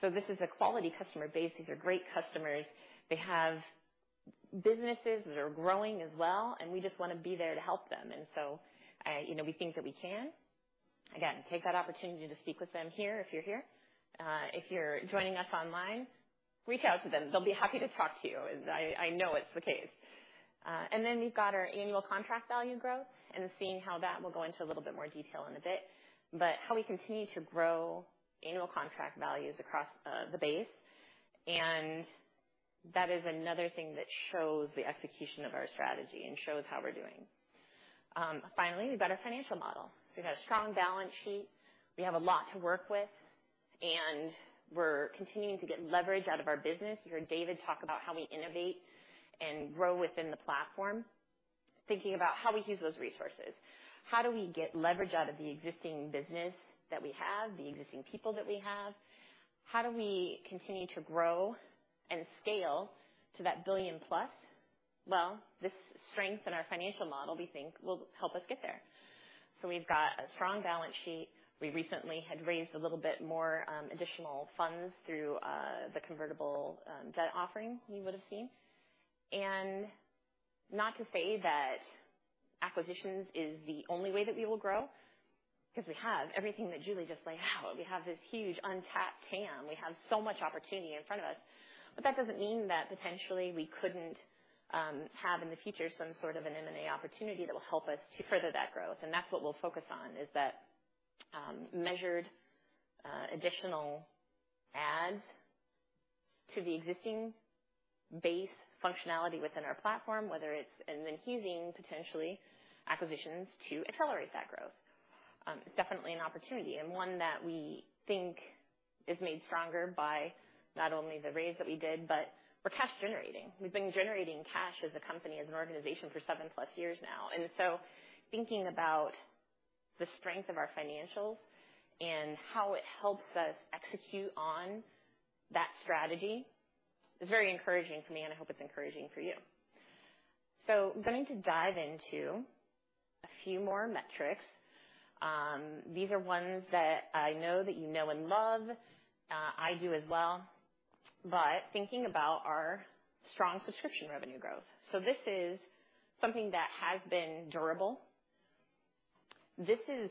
So this is a quality customer base. These are great customers. They have businesses that are growing as well, and we just wanna be there to help them. And so, you know, we think that we can. Again, take that opportunity to speak with them here, if you're here. If you're joining us online, reach out to them. They'll be happy to talk to you. I, I know it's the case. And then we've got our annual contract value growth and seeing how that will go into a little bit more detail in a bit, but how we continue to grow annual contract values across, the base, and that is another thing that shows the execution of our strategy and shows how we're doing. Finally, we've got our financial model. So we've got a strong balance sheet, we have a lot to work with, and we're continuing to get leverage out of our business. You heard David talk about how we innovate and grow within the platform, thinking about how we use those resources. How do we get leverage out of the existing business that we have, the existing people that we have? How do we continue to grow and scale to that billion plus? Well, this strength in our financial model, we think, will help us get there. So we've got a strong balance sheet. We recently had raised a little bit more additional funds through the convertible debt offering you would have seen. And not to say that acquisitions is the only way that we will grow, cause we have everything that Julie just laid out. We have this huge untapped TAM. We have so much opportunity in front of us, but that doesn't mean that potentially we couldn't have in the future some sort of an M&A opportunity that will help us to further that growth. And that's what we'll focus on, is that measured additional adds to the existing base functionality within our platform, whether it's and then using, potentially, acquisitions to accelerate that growth. It's definitely an opportunity and one that we think is made stronger by not only the raise that we did, but we're cash generating. We've been generating cash as a company, as an organization for 7+ years now. And so thinking about the strength of our financials and how it helps us execute on that strategy is very encouraging for me, and I hope it's encouraging for you. So I'm going to dive into a few more metrics. These are ones that I know that you know and love. I do as well, but thinking about our strong subscription revenue growth. So this is something that has been durable. This is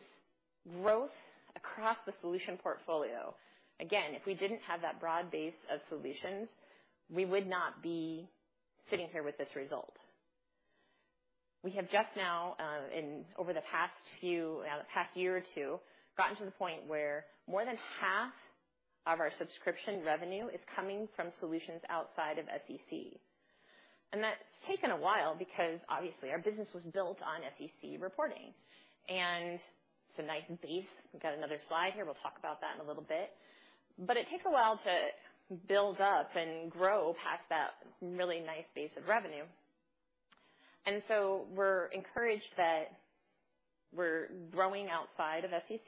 growth across the solution portfolio. Again, if we didn't have that broad base of solutions, we would not be sitting here with this result. We have just now over the past year or two gotten to the point where more than half of our subscription revenue is coming from solutions outside of SEC. And that's taken a while because, obviously, our business was built on SEC reporting, and it's a nice base. We've got another slide here, we'll talk about that in a little bit. But it takes a while to build up and grow past that really nice base of revenue. We're encouraged that we're growing outside of SEC.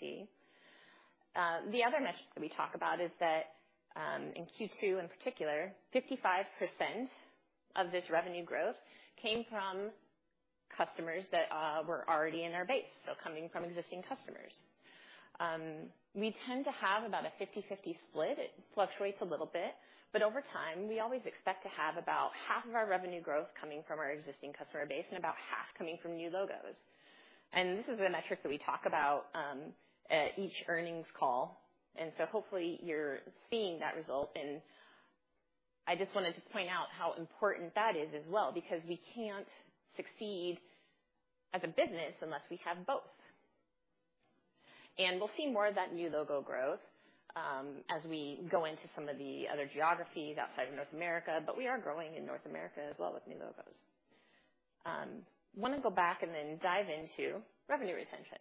The other metric that we talk about is that, in Q2 in particular, 55% of this revenue growth came from customers that were already in our base, so coming from existing customers. We tend to have about a 50/50 split. It fluctuates a little bit, but over time, we always expect to have about half of our revenue growth coming from our existing customer base and about half coming from new logos. And this is a metric that we talk about at each earnings call, and so hopefully you're seeing that result, and I just wanted to point out how important that is as well, because we can't succeed as a business unless we have both. We'll see more of that new logo growth, as we go into some of the other geographies outside of North America, but we are growing in North America as well with new logos. I want to go back and then dive into revenue retention.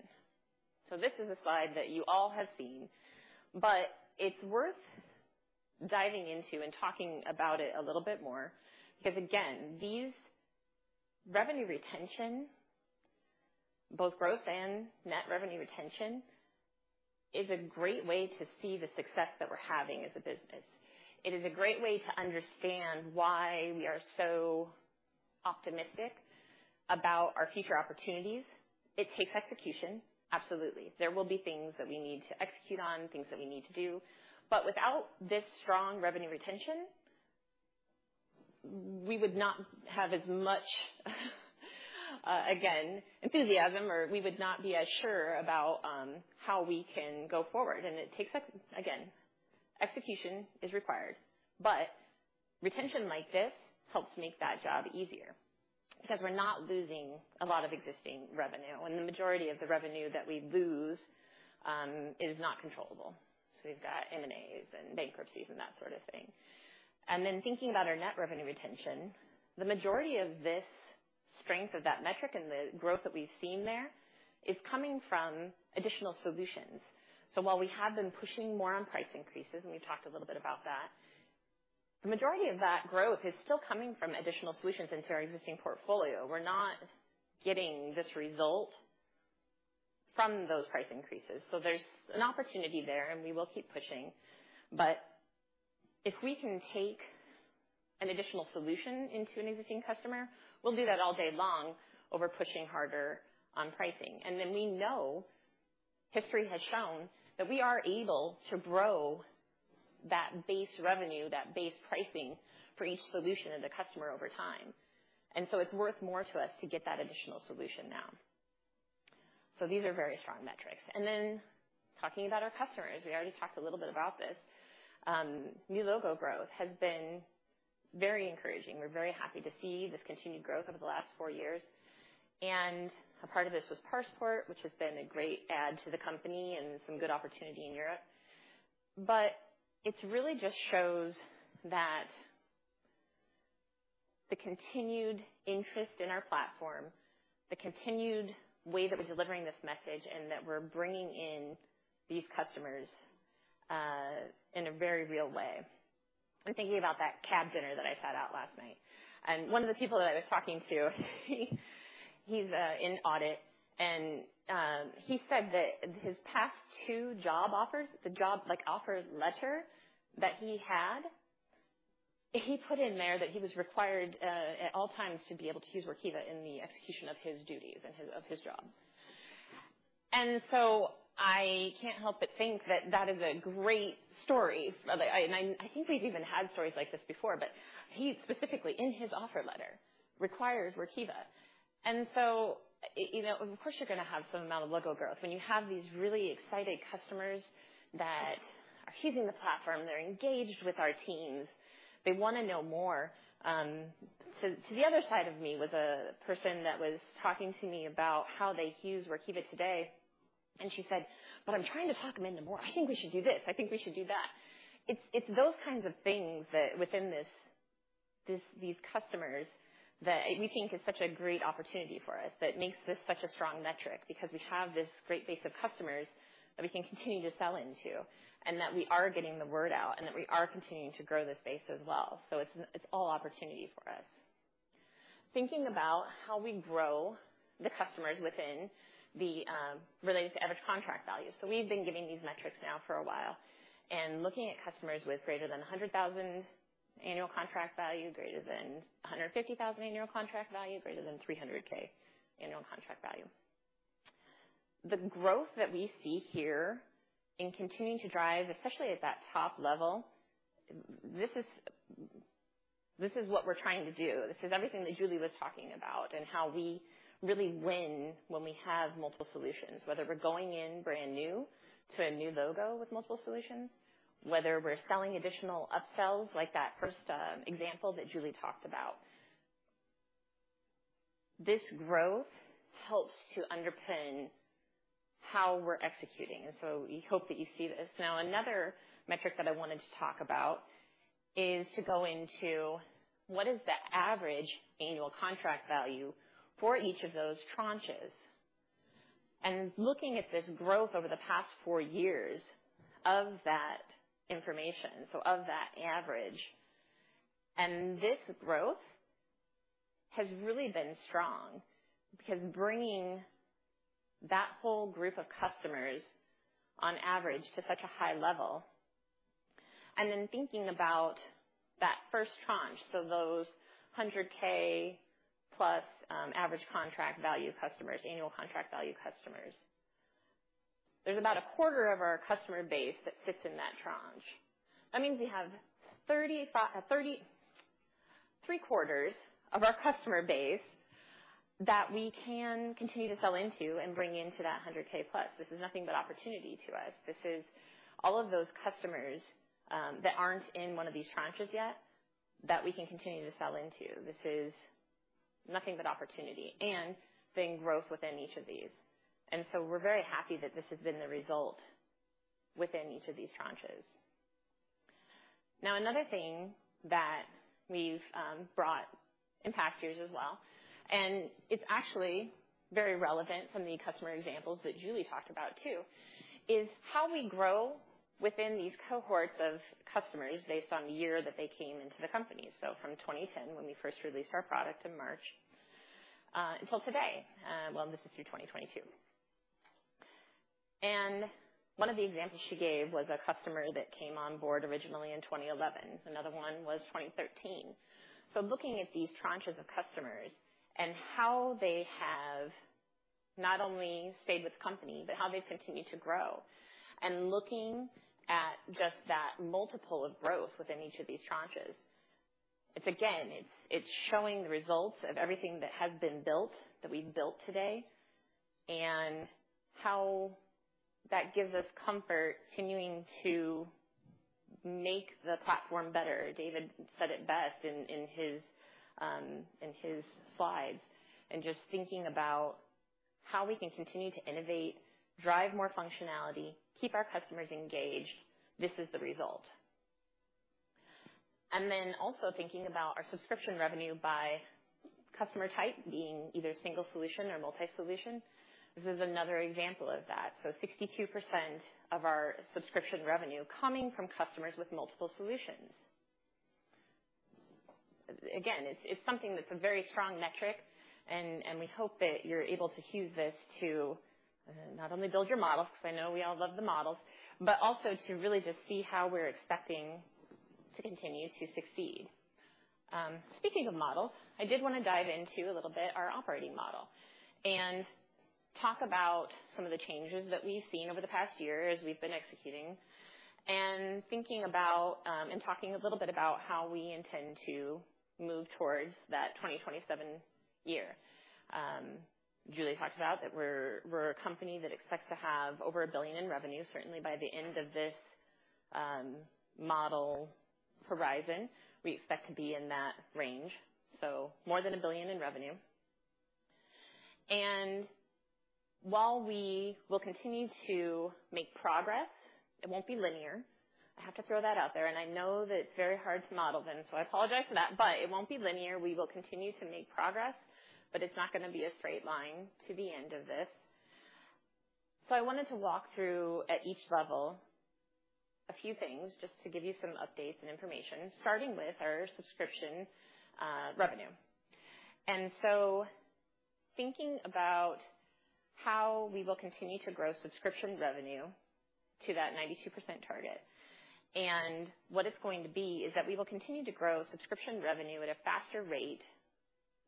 This is a slide that you all have seen, but it's worth diving into and talking about it a little bit more because, again, these revenue retention, both gross and net revenue retention, is a great way to see the success that we're having as a business. It is a great way to understand why we are so optimistic about our future opportunities. It takes execution, absolutely. There will be things that we need to execute on, things that we need to do. But without this strong revenue retention, we would not have as much, again, enthusiasm, or we would not be as sure about how we can go forward. And it takes us. Again, execution is required, but retention like this helps make that job easier because we're not losing a lot of existing revenue, and the majority of the revenue that we lose is not controllable. So we've got M&As and bankruptcies and that sort of thing. And then thinking about our net revenue retention, the majority of this strength of that metric and the growth that we've seen there is coming from additional solutions. So while we have been pushing more on price increases, and we've talked a little bit about that, the majority of that growth is still coming from additional solutions into our existing portfolio. We're not getting this result from those price increases. So there's an opportunity there and we will keep pushing. But if we can take an additional solution into an existing customer, we'll do that all day long over pushing harder on pricing. And then we know, history has shown, that we are able to grow that base revenue, that base pricing for each solution and the customer over time. And so it's worth more to us to get that additional solution now. So these are very strong metrics. And then talking about our customers, we already talked a little bit about this. New logo growth has been very encouraging. We're very happy to see this continued growth over the last four years. And a part of this was ParsePort, which has been a great add to the company and some good opportunity in Europe. But it really just shows that the continued interest in our platform, the continued way that we're delivering this message, and that we're bringing in these customers in a very real way. I'm thinking about that CAB dinner that I had out last night. One of the people that I was talking to, he, he's in audit, and he said that his past two job offers, the job, like, offer letter that he had, he put in there that he was required at all times to be able to use Workiva in the execution of his duties and his job. So I can't help but think that that is a great story. I, I think we've even had stories like this before, but he specifically, in his offer letter, requires Workiva. And so, you know, of course, you're going to have some amount of logo growth. When you have these really excited customers that are using the platform, they're engaged with our teams, they want to know more. So to the other side of me was a person that was talking to me about how they use Workiva today, and she said, "But I'm trying to talk them into more. I think we should do this. I think we should do that." It's those kinds of things that within these customers that we think is such a great opportunity for us, that makes this such a strong metric, because we have this great base of customers that we can continue to sell into, and that we are getting the word out, and that we are continuing to grow this base as well. So it's all opportunity for us. Thinking about how we grow the customers within the related to average contract value. So we've been giving these metrics now for a while, and looking at customers with greater than $100,000 annual contract value, greater than $150,000 annual contract value, greater than $300,000 annual contract value. The growth that we see here in continuing to drive, especially at that top level, this is what we're trying to do. This is everything that Julie was talking about and how we really win when we have multiple solutions, whether we're going in brand new to a new logo with multiple solutions, whether we're selling additional upsells like that first example that Julie talked about. This growth helps to underpin how we're executing, and so we hope that you see this. Now, another metric that I wanted to talk about is to go into what is the average annual contract value for each of those tranches? Looking at this growth over the past four years of that information, so of that average, and this growth has really been strong, because bringing that whole group of customers on average to such a high level, and then thinking about that first tranche, so those 100K plus average contract value customers, annual contract value customers. There's about a quarter of our customer base that sits in that tranche. That means we have three quarters of our customer base that we can continue to sell into and bring into that 100K plus. This is nothing but opportunity to us. This is all of those customers that aren't in one of these tranches yet, that we can continue to sell into. This is nothing but opportunity and seeing growth within each of these. And so we're very happy that this has been the result within each of these tranches. Now, another thing that we've brought in past years as well, and it's actually very relevant from the customer examples that Julie talked about, too, is how we grow within these cohorts of customers based on the year that they came into the company. So from 2010, when we first released our product in March, until today, well, this is through 2022. And one of the examples she gave was a customer that came on board originally in 2011. Another one was 2013. Looking at these tranches of customers and how they have not only stayed with the company, but how they've continued to grow, and looking at just that multiple of growth within each of these tranches. It's again, it's, it's showing the results of everything that has been built, that we've built today, and how that gives us comfort continuing to make the platform better. David said it best in, in his, in his slides, and just thinking about how we can continue to innovate, drive more functionality, keep our customers engaged. This is the result. And then also thinking about our subscription revenue by customer type, being either single solution or multi-solution. This is another example of that. 62% of our subscription revenue coming from customers with multiple solutions. Again, it's something that's a very strong metric, and we hope that you're able to use this to not only build your models, because I know we all love the models, but also to really just see how we're expecting to continue to succeed. Speaking of models, I did want to dive into a little bit our operating model and talk about some of the changes that we've seen over the past year as we've been executing and thinking about, and talking a little bit about how we intend to move towards that 2027 year. Julie talked about that we're a company that expects to have over $1 billion in revenue, certainly by the end of this model horizon. We expect to be in that range, so more than $1 billion in revenue. While we will continue to make progress, it won't be linear. I have to throw that out there, and I know that it's very hard to model then, so I apologize for that, but it won't be linear. We will continue to make progress, but it's not gonna be a straight line to the end of this. I wanted to walk through at each level a few things just to give you some updates and information, starting with our subscription revenue. Thinking about how we will continue to grow subscription revenue to that 92% target, and what it's going to be, is that we will continue to grow subscription revenue at a faster rate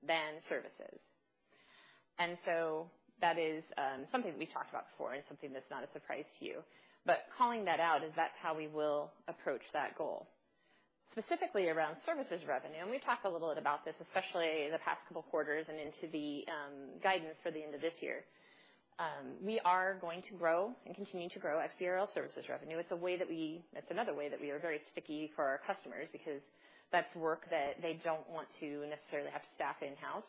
than services. That is something that we talked about before and something that's not a surprise to you. But calling that out is that's how we will approach that goal. Specifically around services revenue, and we've talked a little bit about this, especially in the past couple of quarters and into the guidance for the end of this year. We are going to grow and continue to grow XBRL services revenue. It's a way that we. It's another way that we are very sticky for our customers because that's work that they don't want to necessarily have to staff in-house.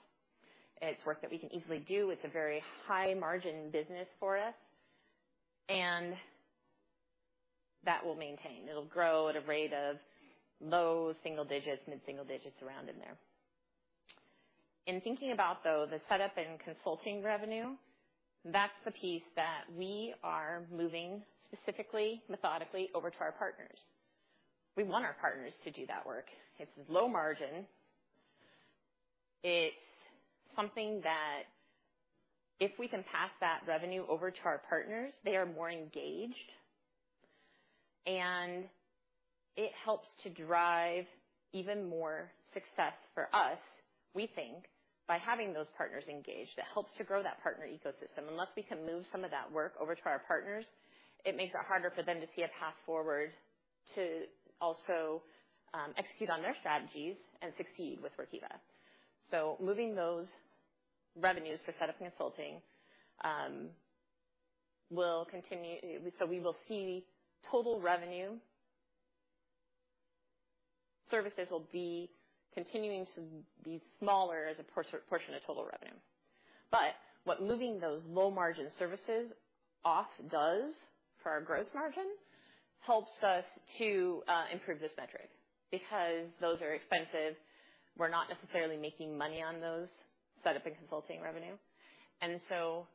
It's work that we can easily do. It's a very high margin business for us, and that will maintain. It'll grow at a rate of low single digits, mid-single digits, around in there. In thinking about, though, the setup and consulting revenue, that's the piece that we are moving specifically, methodically over to our partners. We want our partners to do that work. It's low margin. It's something that if we can pass that revenue over to our partners, they are more engaged, and it helps to drive even more success for us, we think, by having those partners engaged, it helps to grow that partner ecosystem. Unless we can move some of that work over to our partners, it makes it harder for them to see a path forward to also execute on their strategies and succeed with Workiva. Moving those revenues for setup and consulting will continue. We will see total revenue services will be continuing to be smaller as a portion of total revenue. What moving those low-margin services off does for our gross margin helps us to improve this metric, because those are expensive. We're not necessarily making money on those setup and consulting revenue. And so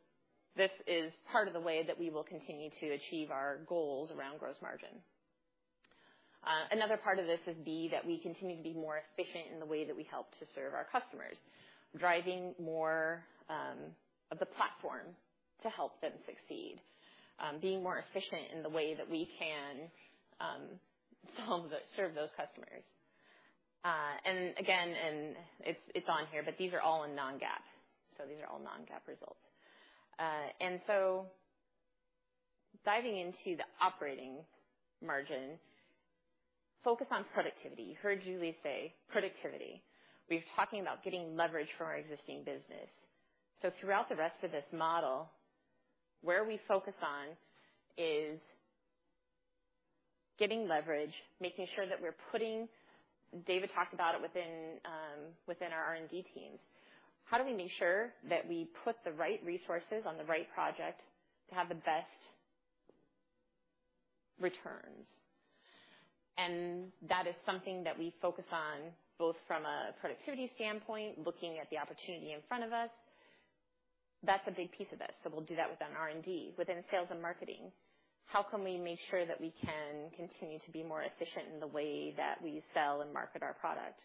this is part of the way that we will continue to achieve our goals around gross margin. Another part of this is B, that we continue to be more efficient in the way that we help to serve our customers, driving more of the platform to help them succeed, being more efficient in the way that we can serve those customers. And again, it's on here, but these are all in non-GAAP, so these are all non-GAAP results. And so diving into the operating margin, focus on productivity. You heard Julie say productivity. We're talking about getting leverage from our existing business. So throughout the rest of this model, where we focus on is getting leverage, making sure that we're putting... David talked about it within our R&D teams. How do we make sure that we put the right resources on the right project to have the best returns? And that is something that we focus on, both from a productivity standpoint, looking at the opportunity in front of us. That's a big piece of it, so we'll do that within R&D. Within sales and marketing, how can we make sure that we can continue to be more efficient in the way that we sell and market our product?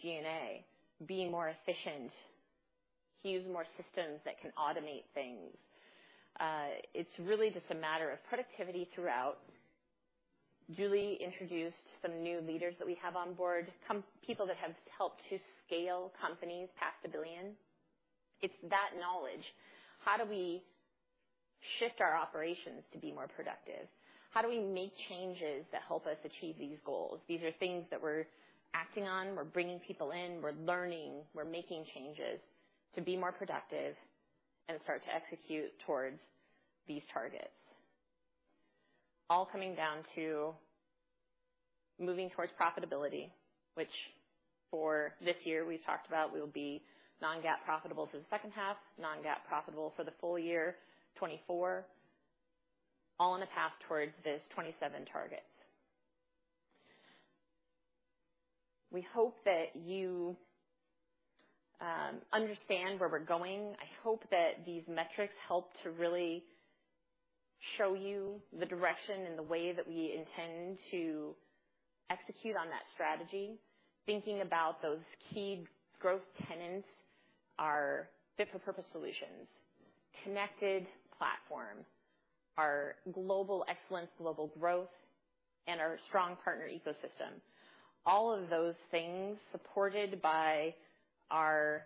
G&A, being more efficient, use more systems that can automate things. It's really just a matter of productivity throughout. Julie introduced some new leaders that we have on board, people that have helped to scale companies past a billion. It's that knowledge. How do we shift our operations to be more productive? How do we make changes that help us achieve these goals? These are things that we're acting on. We're bringing people in. We're learning. We're making changes to be more productive and start to execute towards these targets. All coming down to moving towards profitability, which for this year, we talked about will be non-GAAP profitable for the second half, non-GAAP profitable for the full year, 2024, all on the path towards this 2027 target. We hope that you understand where we're going. I hope that these metrics help to really show you the direction and the way that we intend to execute on that strategy. Thinking about those key growth tenets, our fit-for-purpose solutions, connected platform, our global excellence, global growth, and our strong partner ecosystem. All of those things, supported by our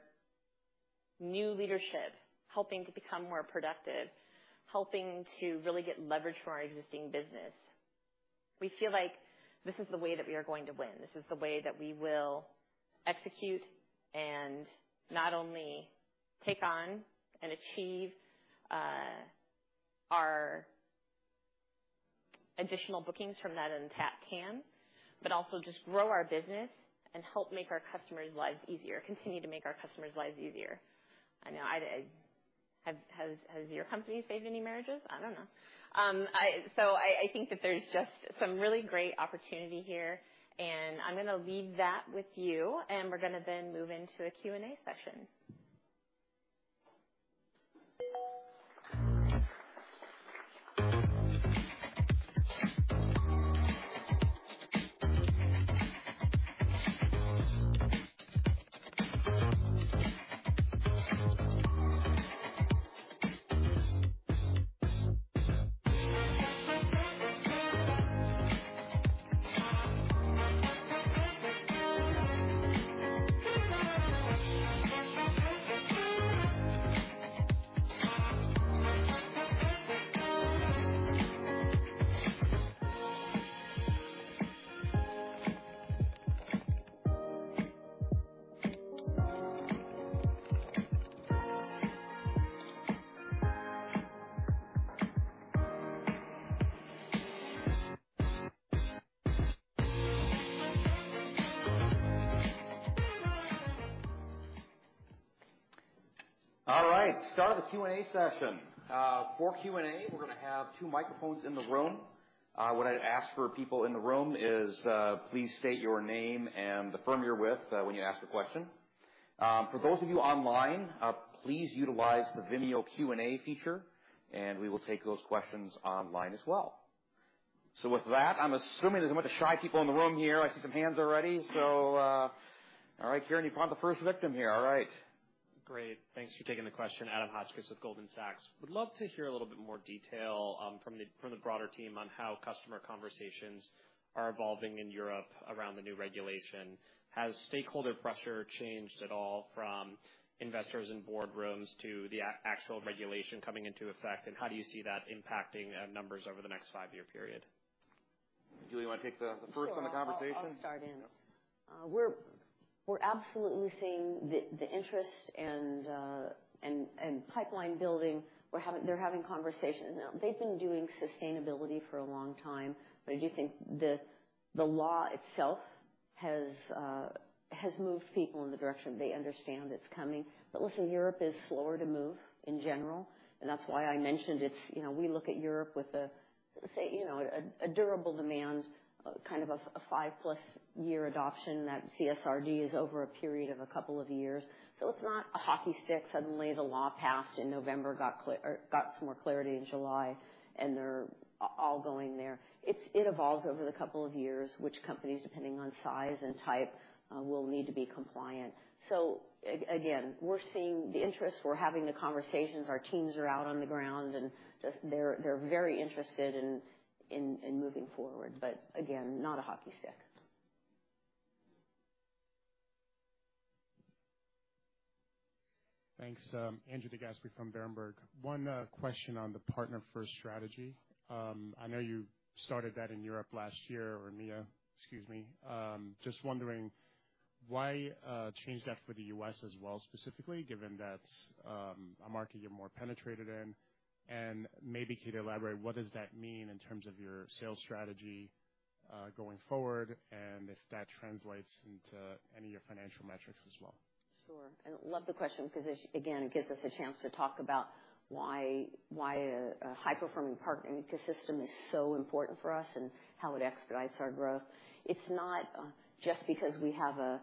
new leadership, helping to become more productive, helping to really get leverage for our existing business. We feel like this is the way that we are going to win. This is the way that we will execute and not only take on and achieve our additional bookings from that untapped TAM, but also just grow our business and help make our customers' lives easier, continue to make our customers' lives easier. I know... Has your company saved any marriages? I don't know. So I think that there's just some really great opportunity here, and I'm going to leave that with you, and we're going to then move into a Q&A session. All right, start the Q&A session. For Q&A, we're going to have two microphones in the room. What I'd ask for people in the room is, please state your name and the firm you're with, when you ask the question. For those of you online, please utilize the Vimeo Q&A feature, and we will take those questions online as well. So with that, I'm assuming there's a bunch of shy people in the room here. I see some hands already. So, all right, I think I found the first victim here. All right. Great. Thanks for taking the question. Adam Hotchkiss with Goldman Sachs. Would love to hear a little bit more detail from the broader team on how customer conversations are evolving in Europe around the new regulation. Has stakeholder pressure changed at all from investors in boardrooms to the actual regulation coming into effect, and how do you see that impacting numbers over the next five-year period? Julie, you want to take the first on the conversation? Sure, I'll start in. Yep. Uh, we're- We're absolutely seeing the interest and pipeline building. We're having—they're having conversations now. They've been doing sustainability for a long time, but I do think the law itself has moved people in the direction they understand it's coming. But listen, Europe is slower to move in general, and that's why I mentioned it's, you know, we look at Europe with a, say, you know, a durable demand, kind of a five-plus year adoption. That CSRD is over a period of a couple of years, so it's not a hockey stick. Suddenly, the law passed in November, got some more clarity in July, and they're all going there. It evolves over the couple of years, which companies, depending on size and type, will need to be compliant. So again, we're seeing the interest. We're having the conversations. Our teams are out on the ground, and just they're very interested in moving forward, but again, not a hockey stick. Thanks. Andrew DeGasperi from Berenberg. One question on the partner-first strategy. I know you started that in Europe last year, or EMEA, excuse me. Just wondering, why change that for the U.S. as well, specifically, given that's a market you're more penetrated in? And maybe can you elaborate, what does that mean in terms of your sales strategy, going forward, and if that translates into any of your financial metrics as well? Sure. And I love the question because, again, it gives us a chance to talk about why a high-performing partner ecosystem is so important for us and how it expedites our growth. It's not just because we have a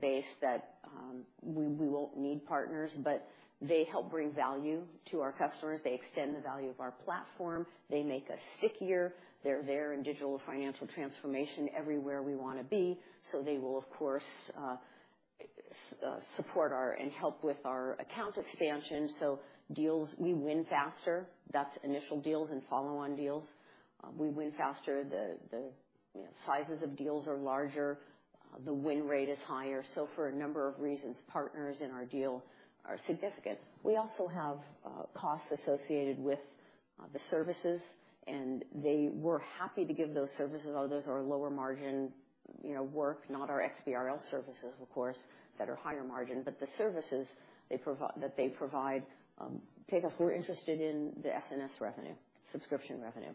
base that we won't need partners, but they help bring value to our customers. They extend the value of our platform. They make us stickier. They're there in digital financial transformation everywhere we wanna be, so they will, of course, support us and help with our account expansion, so deals we win faster. That's initial deals and follow-on deals. We win faster, you know, the sizes of deals are larger. The win rate is higher. So for a number of reasons, partners in our deals are significant. We also have costs associated with the services, and they were happy to give those services, although those are lower margin, you know, work, not our XBRL services, of course, that are higher margin. But the services that they provide take us... We're interested in the SaaS revenue, subscription revenue,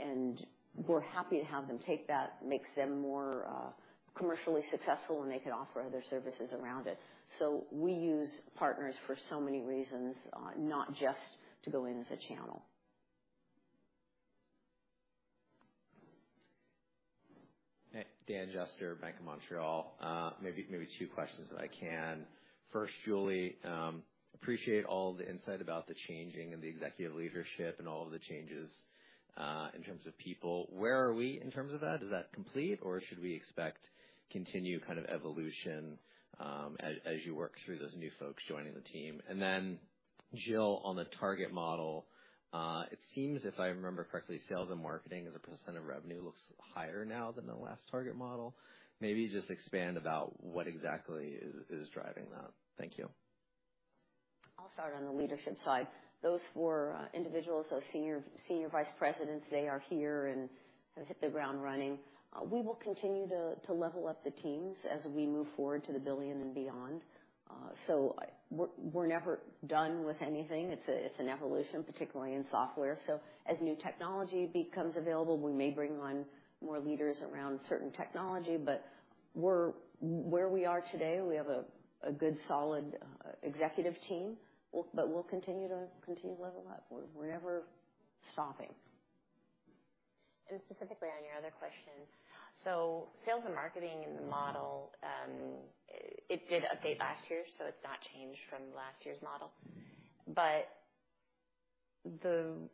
and we're happy to have them take that. Makes them more commercially successful, and they could offer other services around it. So we use partners for so many reasons, not just to go in as a channel. Hey, Dan Jester, Bank of Montreal. Maybe two questions, if I can. First, Julie, appreciate all the insight about the changing of the executive leadership and all of the changes in terms of people. Where are we in terms of that? Is that complete, or should we expect continued kind of evolution as you work through those new folks joining the team? And then, Jill, on the target model, it seems, if I remember correctly, sales and marketing as a percent of revenue looks higher now than the last target model. Maybe just expand about what exactly is driving that. Thank you. I'll start on the leadership side. Those four individuals, those senior, senior vice presidents, they are here and have hit the ground running. We will continue to level up the teams as we move forward to the billion and beyond. We're, we're never done with anything. It's a, it's an evolution, particularly in software. As new technology becomes available, we may bring on more leaders around certain technology, but where we are today, we have a good, solid executive team. We'll continue to continue to level up. We're never stopping. Specifically on your other question, sales and marketing in the model did update last year, so it's not changed from last year's model. The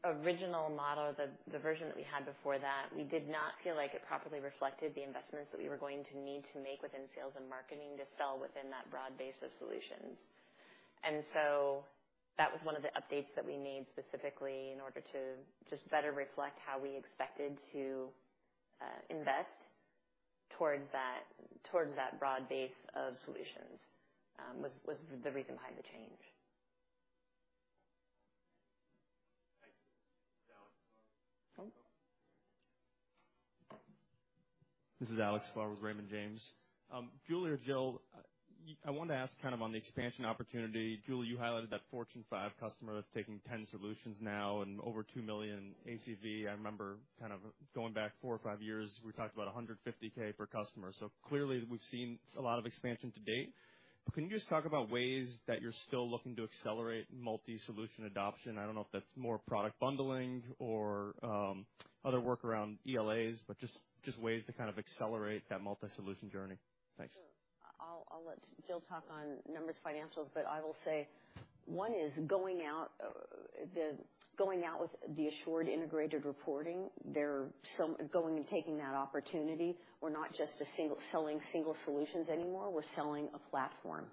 original model, the version that we had before that, we did not feel like it properly reflected the investments that we were going to need to make within sales and marketing to sell within that broad base of solutions. That was one of the updates that we made specifically in order to just better reflect how we expected to invest towards that, towards that broad base of solutions, was the reason behind the change. Thanks. Alex Sklar... Oh. This is Alex Sklar with Raymond James. Julie or Jill, I wanted to ask kind of on the expansion opportunity. Julie, you highlighted that Fortune 5 customer that's taking 10 solutions now and over $2 million ACV. I remember kind of going back 4 or 5 years, we talked about $150K per customer, so clearly, we've seen a lot of expansion to date. But can you just talk about ways that you're still looking to accelerate multi-solution adoption? I don't know if that's more product bundling or other work around ELAs, but just ways to kind of accelerate that multi-solution journey. Thanks. Sure. I'll let Jill talk on numbers financials, but I will say one is going out with the Assured Integrated Reporting. There are some going and taking that opportunity. We're not just selling single solutions anymore, we're selling a platform.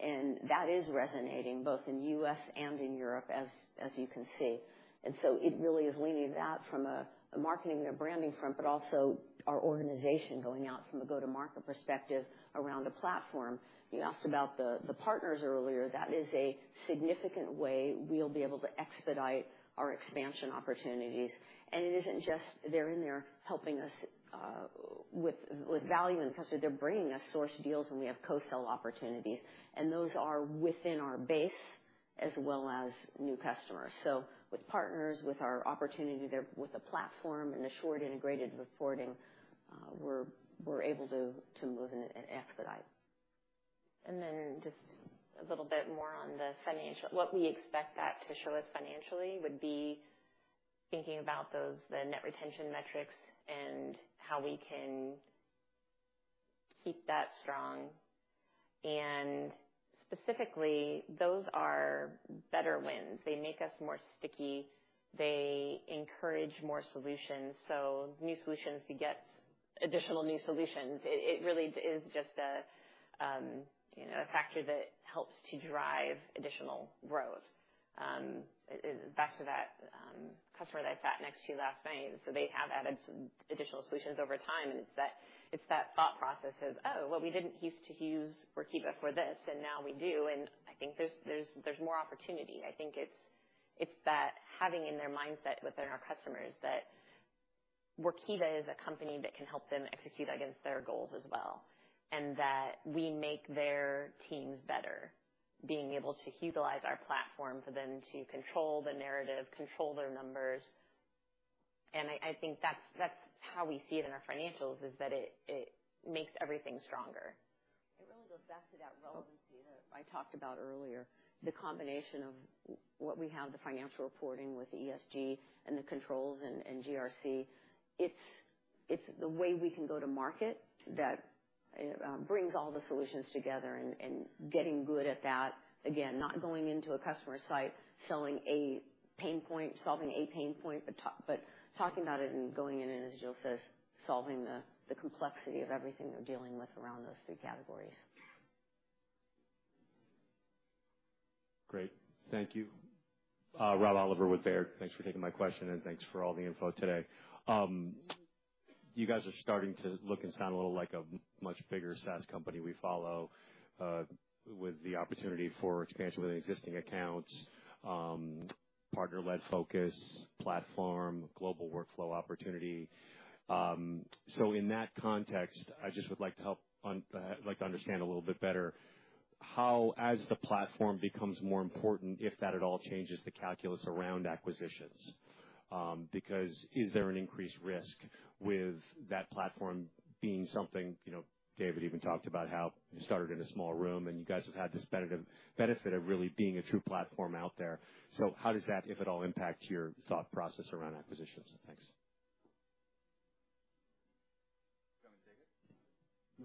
And that is resonating both in the U.S. and in Europe, as you can see. And so it really is leaning that from a marketing and a branding front, but also our organization going out from a go-to-market perspective around the platform. You asked about the partners earlier. That is a significant way we'll be able to expedite our expansion opportunities. And it isn't just they're in there helping us with value in the customer. They're bringing us sourced deals, and we have co-sell opportunities, and those are within our base as well as new customers. So with partners, with our opportunity there, with the platform, and the Assured Integrated Reporting, we're able to move and expedite. And then just a little bit more on the financial. What we expect that to show us financially would be thinking about those, the net retention metrics and how we can keep that strong. And specifically, those are better wins. They make us more sticky, they encourage more solutions, so new solutions to get additional new solutions. It really is just a, you know, a factor that helps to drive additional growth. Back to that customer that I sat next to last night, so they have added some additional solutions over time, and it's that, it's that thought process of, "Oh, well, we didn't use to use Workiva for this, and now we do." And I think there's more opportunity. I think it's that having in their mindset within our customers that Workiva is a company that can help them execute against their goals as well, and that we make their teams better, being able to utilize our platform for them to control the narrative, control their numbers. And I think that's how we see it in our financials, is that it makes everything stronger. It really goes back to that relevancy that I talked about earlier, the combination of what we have, the financial reporting with ESG and the controls and GRC. It's the way we can go to market that brings all the solutions together and getting good at that. Again, not going into a customer site, selling a pain point, solving a pain point, but talking about it and going in, and as Jill says, solving the complexity of everything they're dealing with around those three categories. Great. Thank you. Rob Oliver with Baird. Thanks for taking my question, and thanks for all the info today. You guys are starting to look and sound a little like a much bigger SaaS company we follow, with the opportunity for expansion within existing accounts, partner-led focus, platform, global workflow opportunity. So in that context, I just would like to help on, like to understand a little bit better how, as the platform becomes more important, if that at all changes the calculus around acquisitions. Because is there an increased risk with that platform being something, you know, David even talked about how you started in a small room, and you guys have had this benefit of, benefit of really being a true platform out there. So how does that, if at all, impact your thought process around acquisitions? Thanks.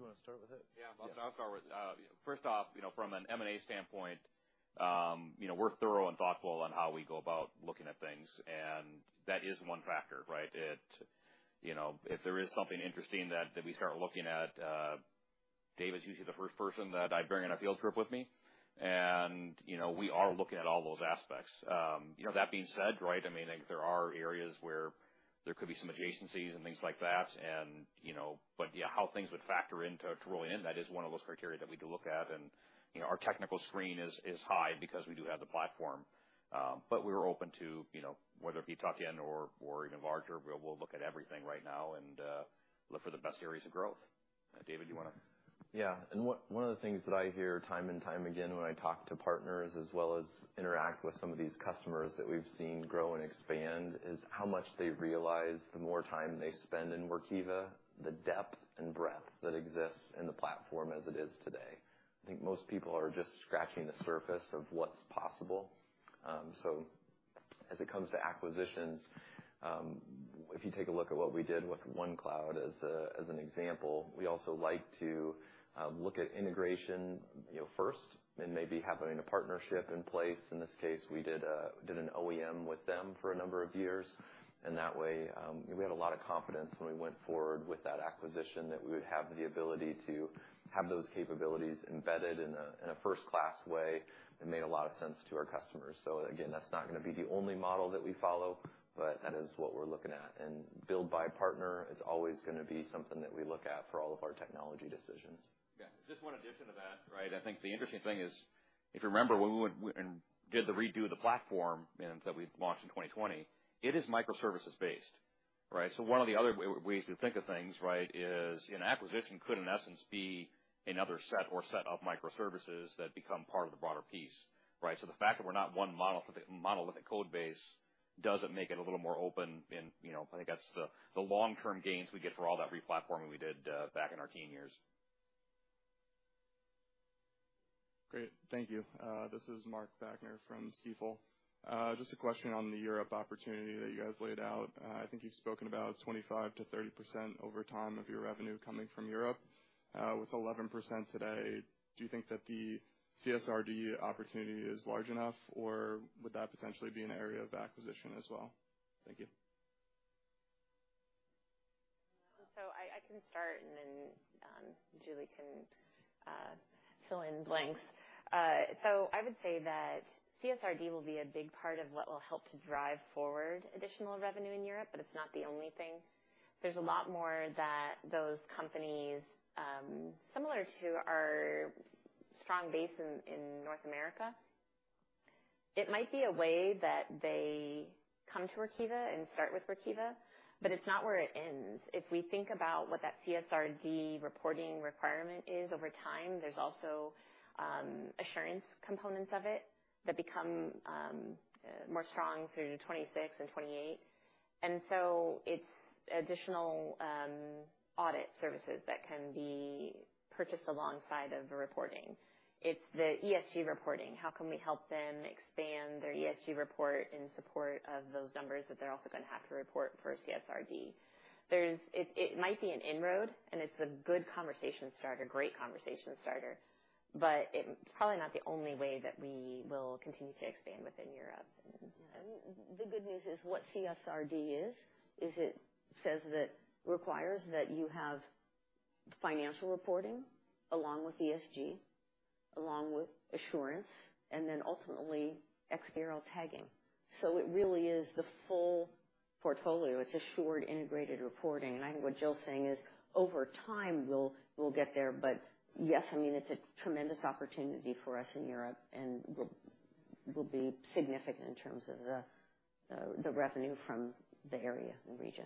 You want me to take it? You wanna start with it? Yeah. Yeah. I'll start with... First off, you know, from an M&A standpoint, you know, we're thorough and thoughtful on how we go about looking at things, and that is one factor, right? It, you know, if there is something interesting that we start looking at, Dave is usually the first person that I bring on a field trip with me, and, you know, we are looking at all those aspects. You know, that being said, right, I mean, there are areas where there could be some adjacencies and things like that, and, you know, but yeah, how things would factor into rolling in, that is one of those criteria that we do look at. And you know, our technical screen is high because we do have the platform. But we're open to, you know, whether it be top end or even larger. We'll look at everything right now and look for the best areas of growth. David, you wanna? Yeah. And one, one of the things that I hear time and time again when I talk to partners, as well as interact with some of these customers that we've seen grow and expand, is how much they realize, the more time they spend in Workiva, the depth and breadth that exists in the platform as it is today. I think most people are just scratching the surface of what's possible. So as it comes to acquisitions, if you take a look at what we did with OneCloud as an example, we also like to look at integration, you know, first and maybe having a partnership in place. In this case, we did an OEM with them for a number of years, and that way, we had a lot of confidence when we went forward with that acquisition, that we would have the ability to have those capabilities embedded in a first-class way that made a lot of sense to our customers. So again, that's not gonna be the only model that we follow, but that is what we're looking at. And build by partner is always gonna be something that we look at for all of our technology decisions. Yeah. Just one addition to that, right? I think the interesting thing is, if you remember, when we went and did the redo of the platform and that we launched in 2020, it is microservices based, right? So one of the other ways to think of things, right, is an acquisition could, in essence, be another set or set of microservices that become part of the broader piece, right? So the fact that we're not one monolithic, monolithic code base doesn't make it a little more open and, you know, I think that's the, the long-term gains we get for all that re-platforming we did back in our teen years. Great. Thank you. This is J. Parker from Stifel. Just a question on the Europe opportunity that you guys laid out. I think you've spoken about 25%-30% over time of your revenue coming from Europe. With 11% today, do you think that the CSRD opportunity is large enough, or would that potentially be an area of acquisition as well? Thank you. I can start, and then Julie can fill in blanks. So I would say that CSRD will be a big part of what will help to drive forward additional revenue in Europe, but it's not the only thing. There's a lot more that those companies, similar to our strong base in North America, it might be a way that they come to Workiva and start with Workiva, but it's not where it ends. If we think about what that CSRD reporting requirement is over time, there's also assurance components of it that become more strong through 2026 and 2028. And so it's additional audit services that can be purchased alongside of the reporting. It's the ESG reporting. How can we help them expand their ESG report in support of those numbers that they're also going to have to report for CSRD? There's - it might be an inroad, and it's a good conversation starter, great conversation starter, but it probably not the only way that we will continue to expand within Europe. The good news is what CSRD is, is it says that requires that you have financial reporting along with ESG, along with assurance, and then ultimately, XBRL tagging. So it really is the full portfolio. It's Assured Integrated Reporting. And I think what Jill's saying is, over time, we'll, we'll get there. But yes, I mean, it's a tremendous opportunity for us in Europe, and will, will be significant in terms of the revenue from the area and region.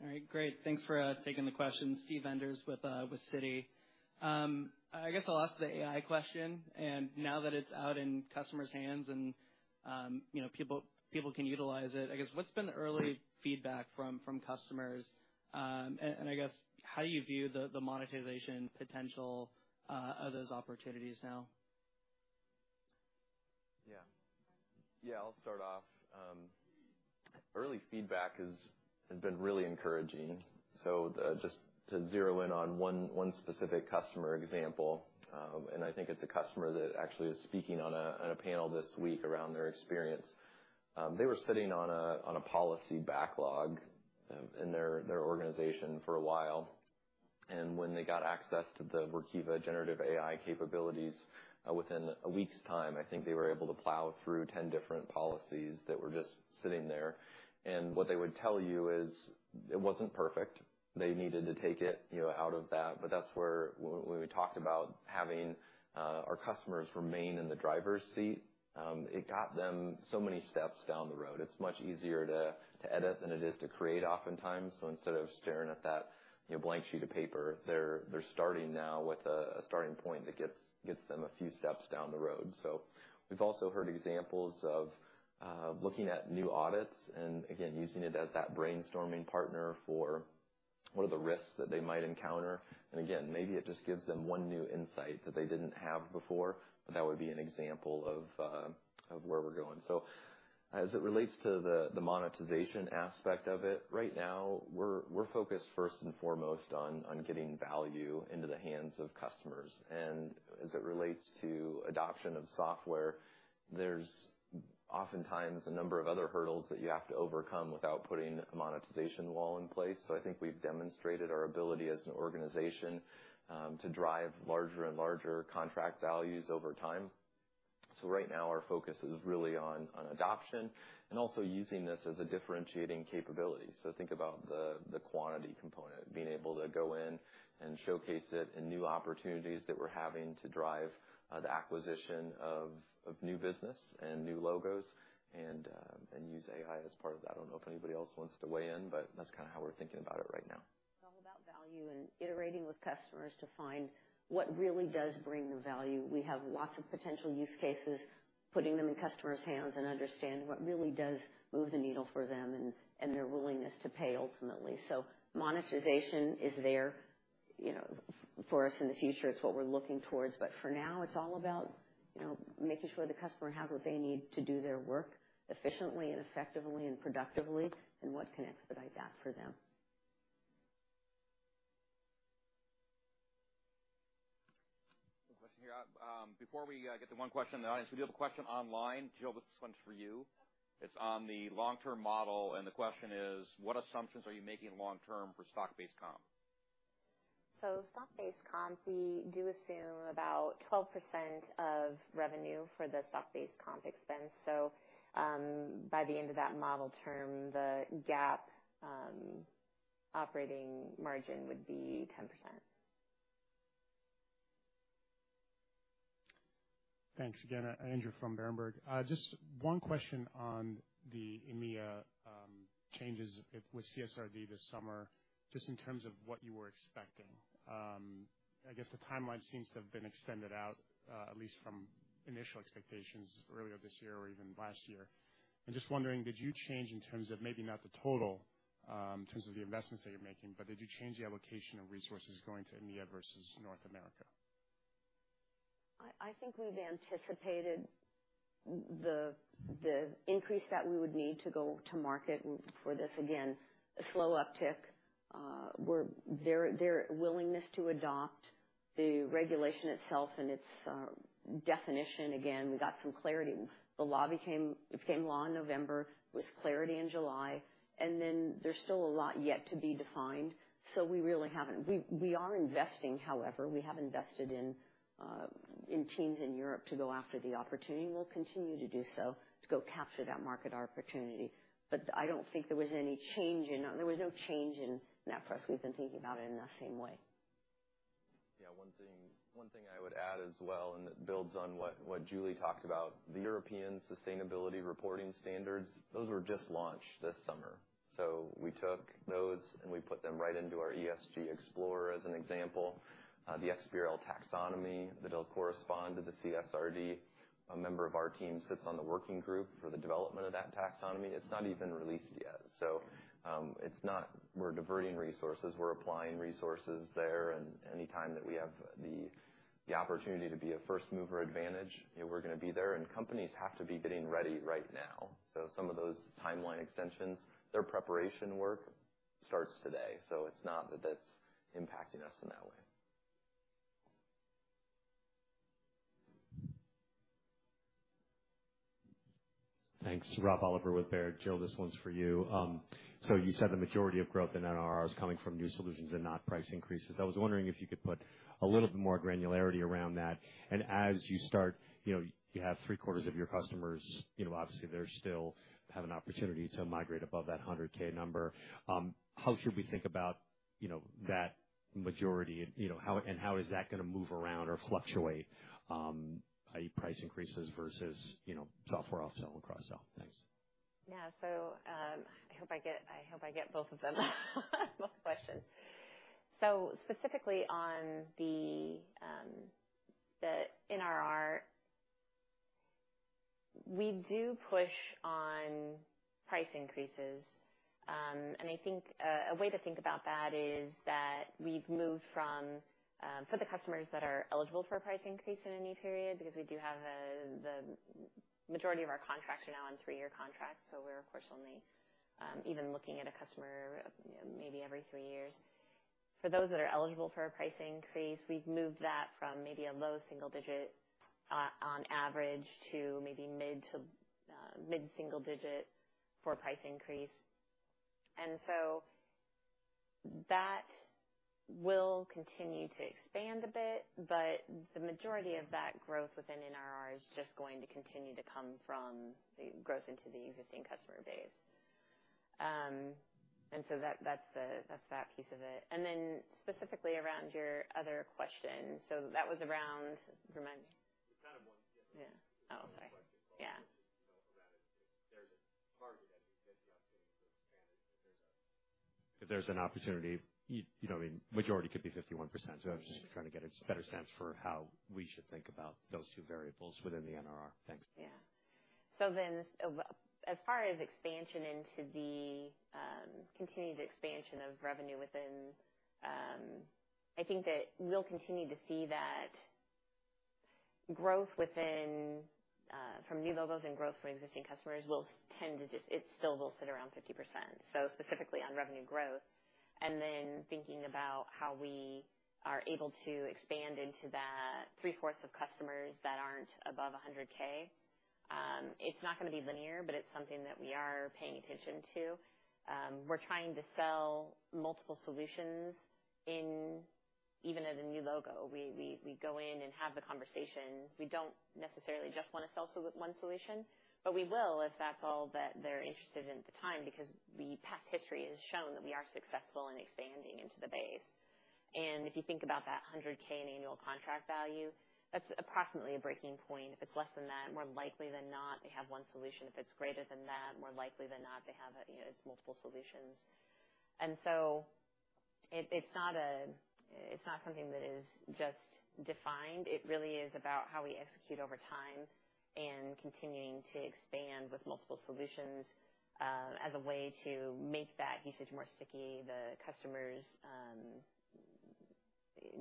All right, great. Thanks for taking the question, Steve Enders with Citi. I guess I'll ask the AI question, and now that it's out in customers' hands and, you know, people can utilize it, I guess, what's been the early feedback from customers? And I guess, how do you view the monetization potential of those opportunities now? Yeah. Yeah, I'll start off. Early feedback has been really encouraging. So, just to zero in on one specific customer example, and I think it's a customer that actually is speaking on a panel this week around their experience. They were sitting on a policy backlog in their organization for a while, and when they got access to the Workiva generative AI capabilities, within a week's time, I think they were able to plow through 10 different policies that were just sitting there. And what they would tell you is it wasn't perfect. They needed to take it, you know, out of that, but that's where when we talked about having our customers remain in the driver's seat, it got them so many steps down the road. It's much easier to edit than it is to create oftentimes. So instead of staring at that, you know, blank sheet of paper, they're starting now with a starting point that gets them a few steps down the road. So we've also heard examples of looking at new audits and again, using it as that brainstorming partner for what are the risks that they might encounter. And again, maybe it just gives them one new insight that they didn't have before, but that would be an example of where we're going. So as it relates to the monetization aspect of it, right now, we're focused first and foremost on getting value into the hands of customers. As it relates to adoption of software, there's oftentimes a number of other hurdles that you have to overcome without putting a monetization wall in place. I think we've demonstrated our ability as an organization to drive larger and larger contract values over time. Right now, our focus is really on adoption and also using this as a differentiating capability. Think about the quantity component, being able to go in and showcase it in new opportunities that we're having to drive the acquisition of new business and new logos and use AI as part of that. I don't know if anybody else wants to weigh in, but that's kind of how we're thinking about it right now. It's all about value and iterating with customers to find what really does bring the value. We have lots of potential use cases, putting them in customers' hands and understanding what really does move the needle for them and their willingness to pay ultimately. So monetization is there, you know, for us in the future. It's what we're looking towards. But for now, it's all about, you know, making sure the customer has what they need to do their work efficiently and effectively and productively, and what can expedite that for them. Before we get to one question, we have a question online. Jill, this one's for you. It's on the long-term model, and the question is: what assumptions are you making long term for stock-based comp? Stock-based comp, we do assume about 12% of revenue for the stock-based comp expense. By the end of that model term, the GAAP operating margin would be 10%. Thanks again. Andrew from Berenberg. Just one question on the EMEA, changes with CSRD this summer, just in terms of what you were expecting. I guess the timeline seems to have been extended out, at least from initial expectations earlier this year or even last year. I'm just wondering, did you change in terms of maybe not the total, in terms of the investments that you're making, but did you change the allocation of resources going to EMEA versus North America? I think we've anticipated the increase that we would need to go to market for this. Again, a slow uptick, where their willingness to adopt the regulation itself and its definition, again, we got some clarity. It became law in November, was clarity in July, and then there's still a lot yet to be defined. So we really haven't. We are investing, however, we have invested in teams in Europe to go after the opportunity, and we'll continue to do so to go capture that market opportunity. But I don't think there was any change in. There was no change in that for us. We've been thinking about it in that same way. One thing I would add as well, and it builds on what, what Julie talked about, the European Sustainability Reporting Standards, those were just launched this summer. So we took those, and we put them right into our ESG Explorer, as an example. The XBRL taxonomy, that they'll correspond to the CSRD. A member of our team sits on the working group for the development of that taxonomy. It's not even released yet, so it's not we're diverting resources. We're applying resources there, and anytime that we have the, the opportunity to be a first-mover advantage, you know, we're gonna be there, and companies have to be getting ready right now. So some of those timeline extensions, their preparation work starts today, so it's not that that's impacting us in that way. Thanks. Rob Oliver with Baird. Jill, this one's for you. So you said the majority of growth in NRR is coming from new solutions and not price increases. I was wondering if you could put a little bit more granularity around that, and as you start, you know, you have three-quarters of your customers, you know, obviously, they're still have an opportunity to migrate above that $100K number. How should we think about, you know, that majority and, you know, and how is that gonna move around or fluctuate, i.e., price increases versus, you know, software upsell cross-sell? Thanks. Yeah. So, I hope I get both of them, both questions. So specifically on the NRR, we do push on price increases, and I think a way to think about that is that we've moved from... For the customers that are eligible for a price increase in a new period, because we do have the majority of our contracts are now on three-year contracts, so we're, of course, only even looking at a customer, you know, maybe every three years. For those that are eligible for a price increase, we've moved that from maybe a low single digit on average to maybe mid to mid single digit for a price increase. And so that will continue to expand a bit, but the majority of that growth within NRR is just going to continue to come from the growth into the existing customer base. And so that, that's the, that's that piece of it. And then specifically around your other question, so that was around, remind me? It's kind of one different. Yeah. Oh, sorry. Yeah. Around it, if there's a target, as you get the opportunity to expand it, if there's a- If there's an opportunity, you know what I mean, majority could be 51%. So I'm just trying to get a better sense for how we should think about those two variables within the NRR. Thanks. Yeah. So then, as far as expansion into the, continued expansion of revenue within, I think that we'll continue to see that growth within, from new logos and growth from existing customers will tend to just... It still will sit around 50%, so specifically on revenue growth. And then thinking about how we are able to expand into that three-fourths of customers that aren't above $100K, it's not gonna be linear, but it's something that we are paying attention to. We're trying to sell multiple solutions in even at a new logo. We go in and have the conversation. We don't necessarily just want to sell one solution, but we will if that's all that they're interested in at the time, because the past history has shown that we are successful in expanding into the base. And if you think about that $100K in annual contract value, that's approximately a breaking point. If it's less than that, more likely than not, they have one solution. If it's greater than that, more likely than not, they have a, you know, it's multiple solutions. And so it, it's not a, it's not something that is just defined. It really is about how we execute over time and continuing to expand with multiple solutions, as a way to make that usage more sticky, the customers,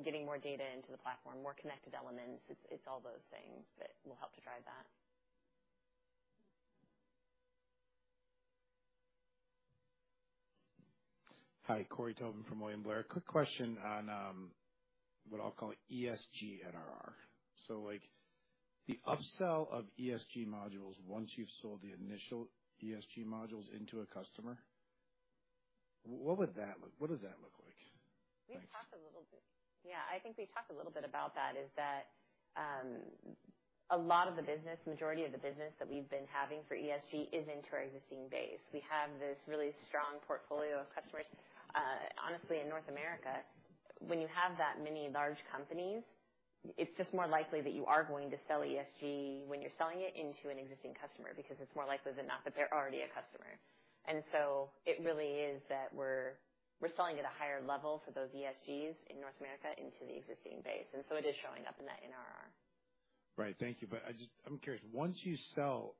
getting more data into the platform, more connected elements. It's, it's all those things that will help to drive that. Hi, Corey Tobin from William Blair. Quick question on, what I'll call it ESG NRR. So, like, the upsell of ESG modules once you've sold the initial ESG modules into a customer, what would that look? What does that look like? Thanks. We've talked a little bit. Yeah, I think we talked a little bit about that, is that a lot of the business, majority of the business that we've been having for ESG is into our existing base. We have this really strong portfolio of customers. Honestly, in North America, when you have that many large companies, it's just more likely that you are going to sell ESG when you're selling it into an existing customer, because it's more likely than not that they're already a customer. And so it really is that we're selling at a higher level for those ESGs in North America into the existing base, and so it is showing up in that NRR. Right. Thank you. But I just... I'm curious, once you sell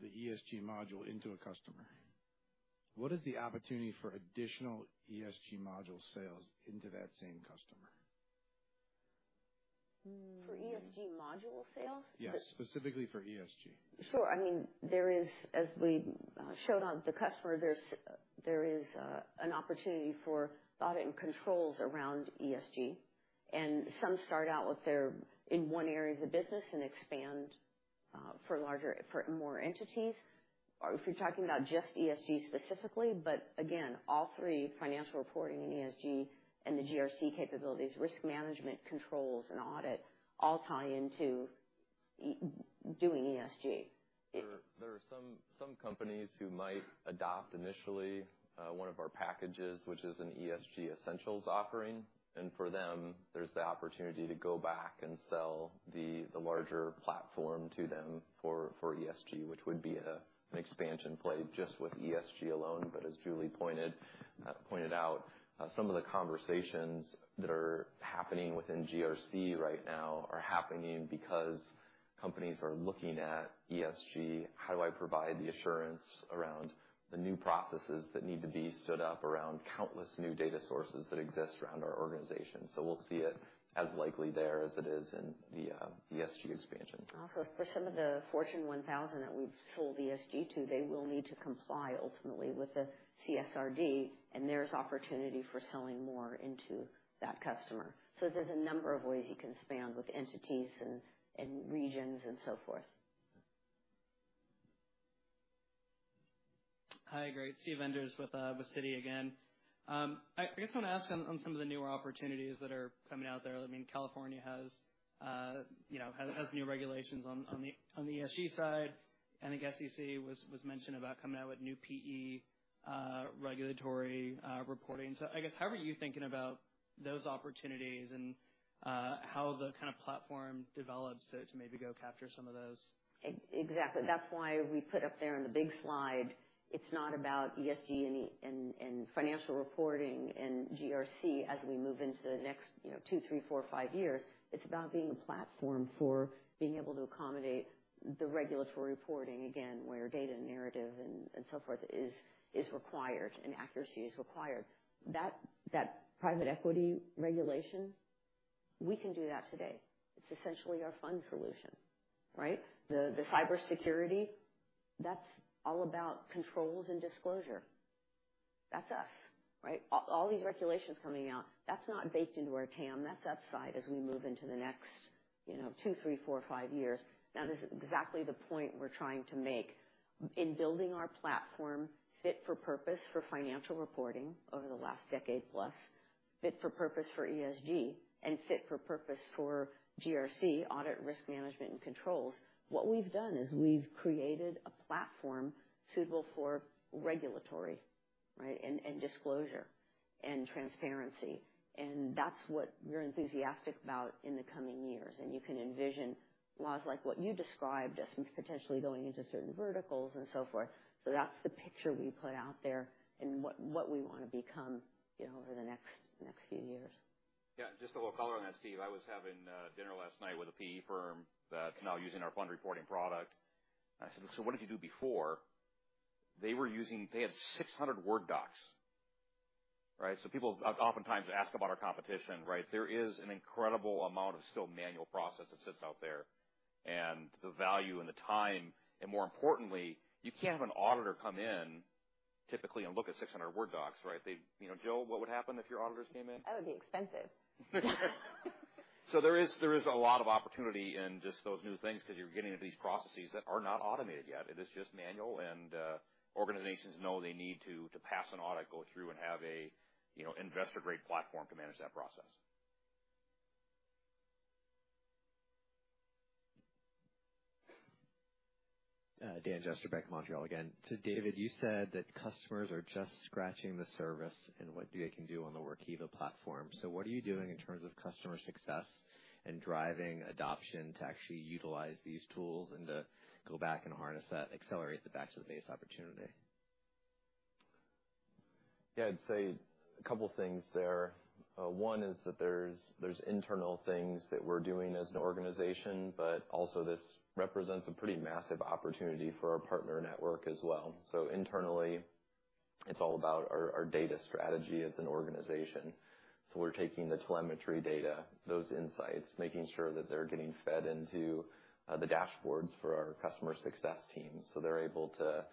the ESG module into a customer, what is the opportunity for additional ESG module sales into that same customer? Hmm. For ESG module sales? Yes, specifically for ESG. Sure. I mean, there is, as we showed on the customer, there is an opportunity for audit and controls around ESG, and some start out with their in one area of the business and expand for larger, for more entities. Or if you're talking about just ESG specifically, but again, all three, financial reporting and ESG and the GRC capabilities, risk management, controls, and audit, all tie into doing ESG? There are some companies who might adopt initially one of our packages, which is an ESG Essentials offering, and for them, there's the opportunity to go back and sell the larger platform to them for ESG, which would be an expansion play just with ESG alone. But as Julie pointed out, some of the conversations that are happening within GRC right now are happening because companies are looking at ESG, how do I provide the assurance around the new processes that need to be stood up around countless new data sources that exist around our organization? So we'll see it as likely there as it is in the ESG expansion. Also, for some of the Fortune 1000 that we've sold ESG to, they will need to comply ultimately with the CSRD, and there's opportunity for selling more into that customer. So there's a number of ways you can expand with entities and regions and so forth. Hi, great. Steve Enders with, with Citi again. I just want to ask on, on some of the newer opportunities that are coming out there. I mean, California has, you know, has new regulations on, on the, on the ESG side, and I guess SEC was mentioned about coming out with new PE regulatory reporting. So I guess, how are you thinking about those opportunities and, how the kind of platform develops to, to maybe go capture some of those? Exactly. That's why we put up there on the big slide, it's not about ESG and and financial reporting and GRC as we move into the next, you know, 2, 3, 4, 5 years. It's about being a platform for being able to accommodate the regulatory reporting again, where data narrative and so forth is required and accuracy is required. That private equity regulation, we can do that today. It's essentially our fund solution, right? The cybersecurity, that's all about controls and disclosure. That's us, right? All these regulations coming out, that's not baked into our TAM. That's upside as we move into the next, you know, 2, 3, 4, 5 years. That is exactly the point we're trying to make. In building our platform fit for purpose for financial reporting over the last decade plus, fit for purpose for ESG, and fit for purpose for GRC, audit, risk management, and controls, what we've done is we've created a platform suitable for regulatory, right? And disclosure and transparency, and that's what we're enthusiastic about in the coming years. And you can envision laws like what you described as potentially going into certain verticals and so forth. So that's the picture we put out there and what we want to become, you know, over the next few years. Yeah, just a little color on that, Steve. I was having dinner last night with a PE firm that's now using our fund reporting product. I said, "So what did you do before?" They were using... They had 600 Word docs, right? So people oftentimes ask about our competition, right? There is an incredible amount of still manual process that sits out there, and the value and the time, and more importantly, you can't have an auditor come in typically and look at 600 Word docs, right? They, you know, Jill, what would happen if your auditors came in? That would be expensive. There is a lot of opportunity in just those new things that you're getting at these processes that are not automated yet. It is just manual, and organizations know they need to pass an audit, go through and have a, you know, investor-grade platform to manage that process. Dan Jester, Bank of Montreal again. To David, you said that customers are just scratching the surface and what they can do on the Workiva platform. So what are you doing in terms of customer success and driving adoption to actually utilize these tools and to go back and harness that, accelerate the back-to-the-base opportunity? Yeah, I'd say a couple things there. One is that there's internal things that we're doing as an organization, but also this represents a pretty massive opportunity for our partner network as well. So internally, it's all about our data strategy as an organization. So we're taking the telemetry data, those insights, making sure that they're getting fed into the dashboards for our customer success team, so they're able to,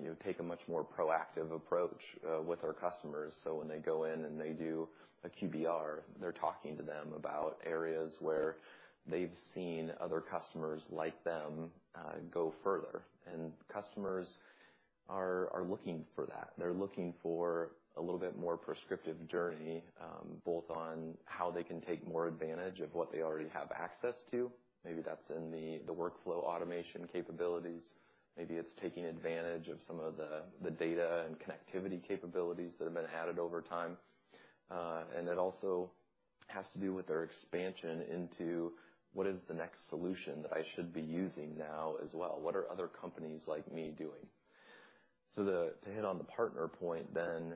you know, take a much more proactive approach with our customers. So when they go in and they do a QBR, they're talking to them about areas where they've seen other customers like them go further. And customers are looking for that. They're looking for a little bit more prescriptive journey both on how they can take more advantage of what they already have access to. Maybe that's in the workflow automation capabilities. Maybe it's taking advantage of some of the data and connectivity capabilities that have been added over time. And it also has to do with our expansion into what is the next solution that I should be using now as well? What are other companies like me doing? So, to hit on the partner point then,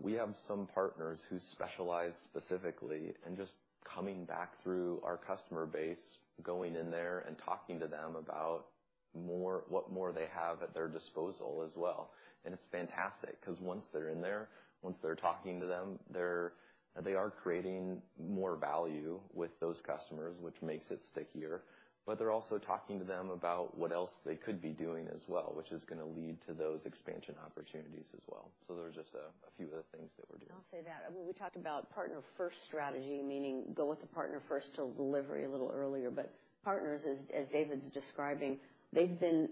we have some partners who specialize specifically in just coming back through our customer base, going in there, and talking to them about more, what more they have at their disposal as well. It's fantastic because once they're in there, once they're talking to them, they're, they are creating more value with those customers, which makes it stickier, but they're also talking to them about what else they could be doing as well, which is gonna lead to those expansion opportunities as well. So those are just a, a few of the things that we're doing. I'll say that, when we talked about Partner First strategy, meaning go with the Partner First to deliver a little earlier, but partners, as David's describing, they've been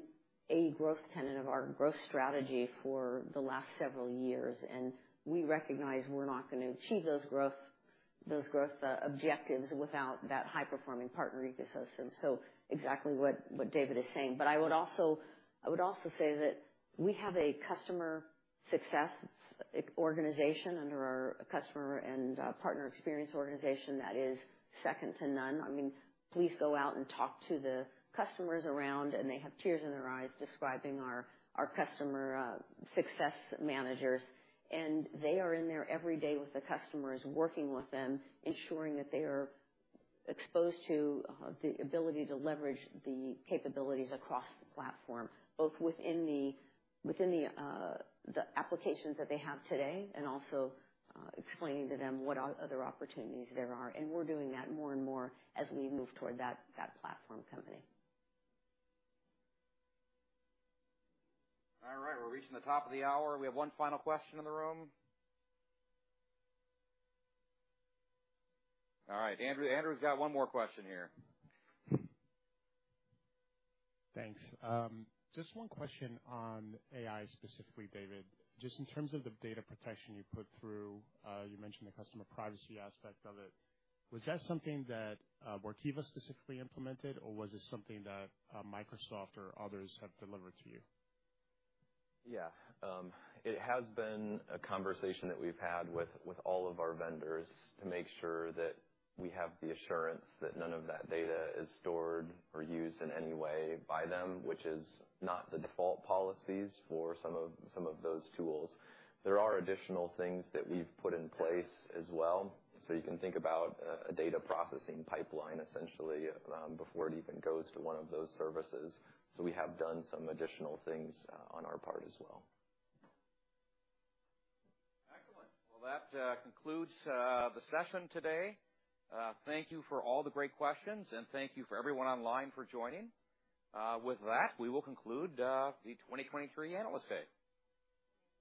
a growth tenet of our growth strategy for the last several years, and we recognize we're not going to achieve those growth objectives without that high-performing partner ecosystem. So exactly what David is saying. But I would also say that we have a customer success organization under our Customer and Partner Experience organization that is second to none. I mean, please go out and talk to the customers around, and they have tears in their eyes describing our customer success managers. And they are in there every day with the customers, working with them, ensuring that they are exposed to the ability to leverage the capabilities across the platform, both within the applications that they have today, and also explaining to them what other opportunities there are. And we're doing that more and more as we move toward that platform company. All right, we're reaching the top of the hour. We have one final question in the room. All right, Andrew. Andrew got one more question here. Thanks. Just one question on AI, specifically, David. Just in terms of the data protection you put through, you mentioned the customer privacy aspect of it. Was that something that, Workiva specifically implemented, or was it something that, Microsoft or others have delivered to you? Yeah. It has been a conversation that we've had with all of our vendors to make sure that we have the assurance that none of that data is stored or used in any way by them, which is not the default policies for some of those tools. There are additional things that we've put in place as well, so you can think about a data processing pipeline, essentially, before it even goes to one of those services. So, we have done some additional things on our part as well. Excellent. Well, that concludes the session today. Thank you for all the great questions, and thank you for everyone online for joining. With that, we will conclude the 2023 Analyst Day.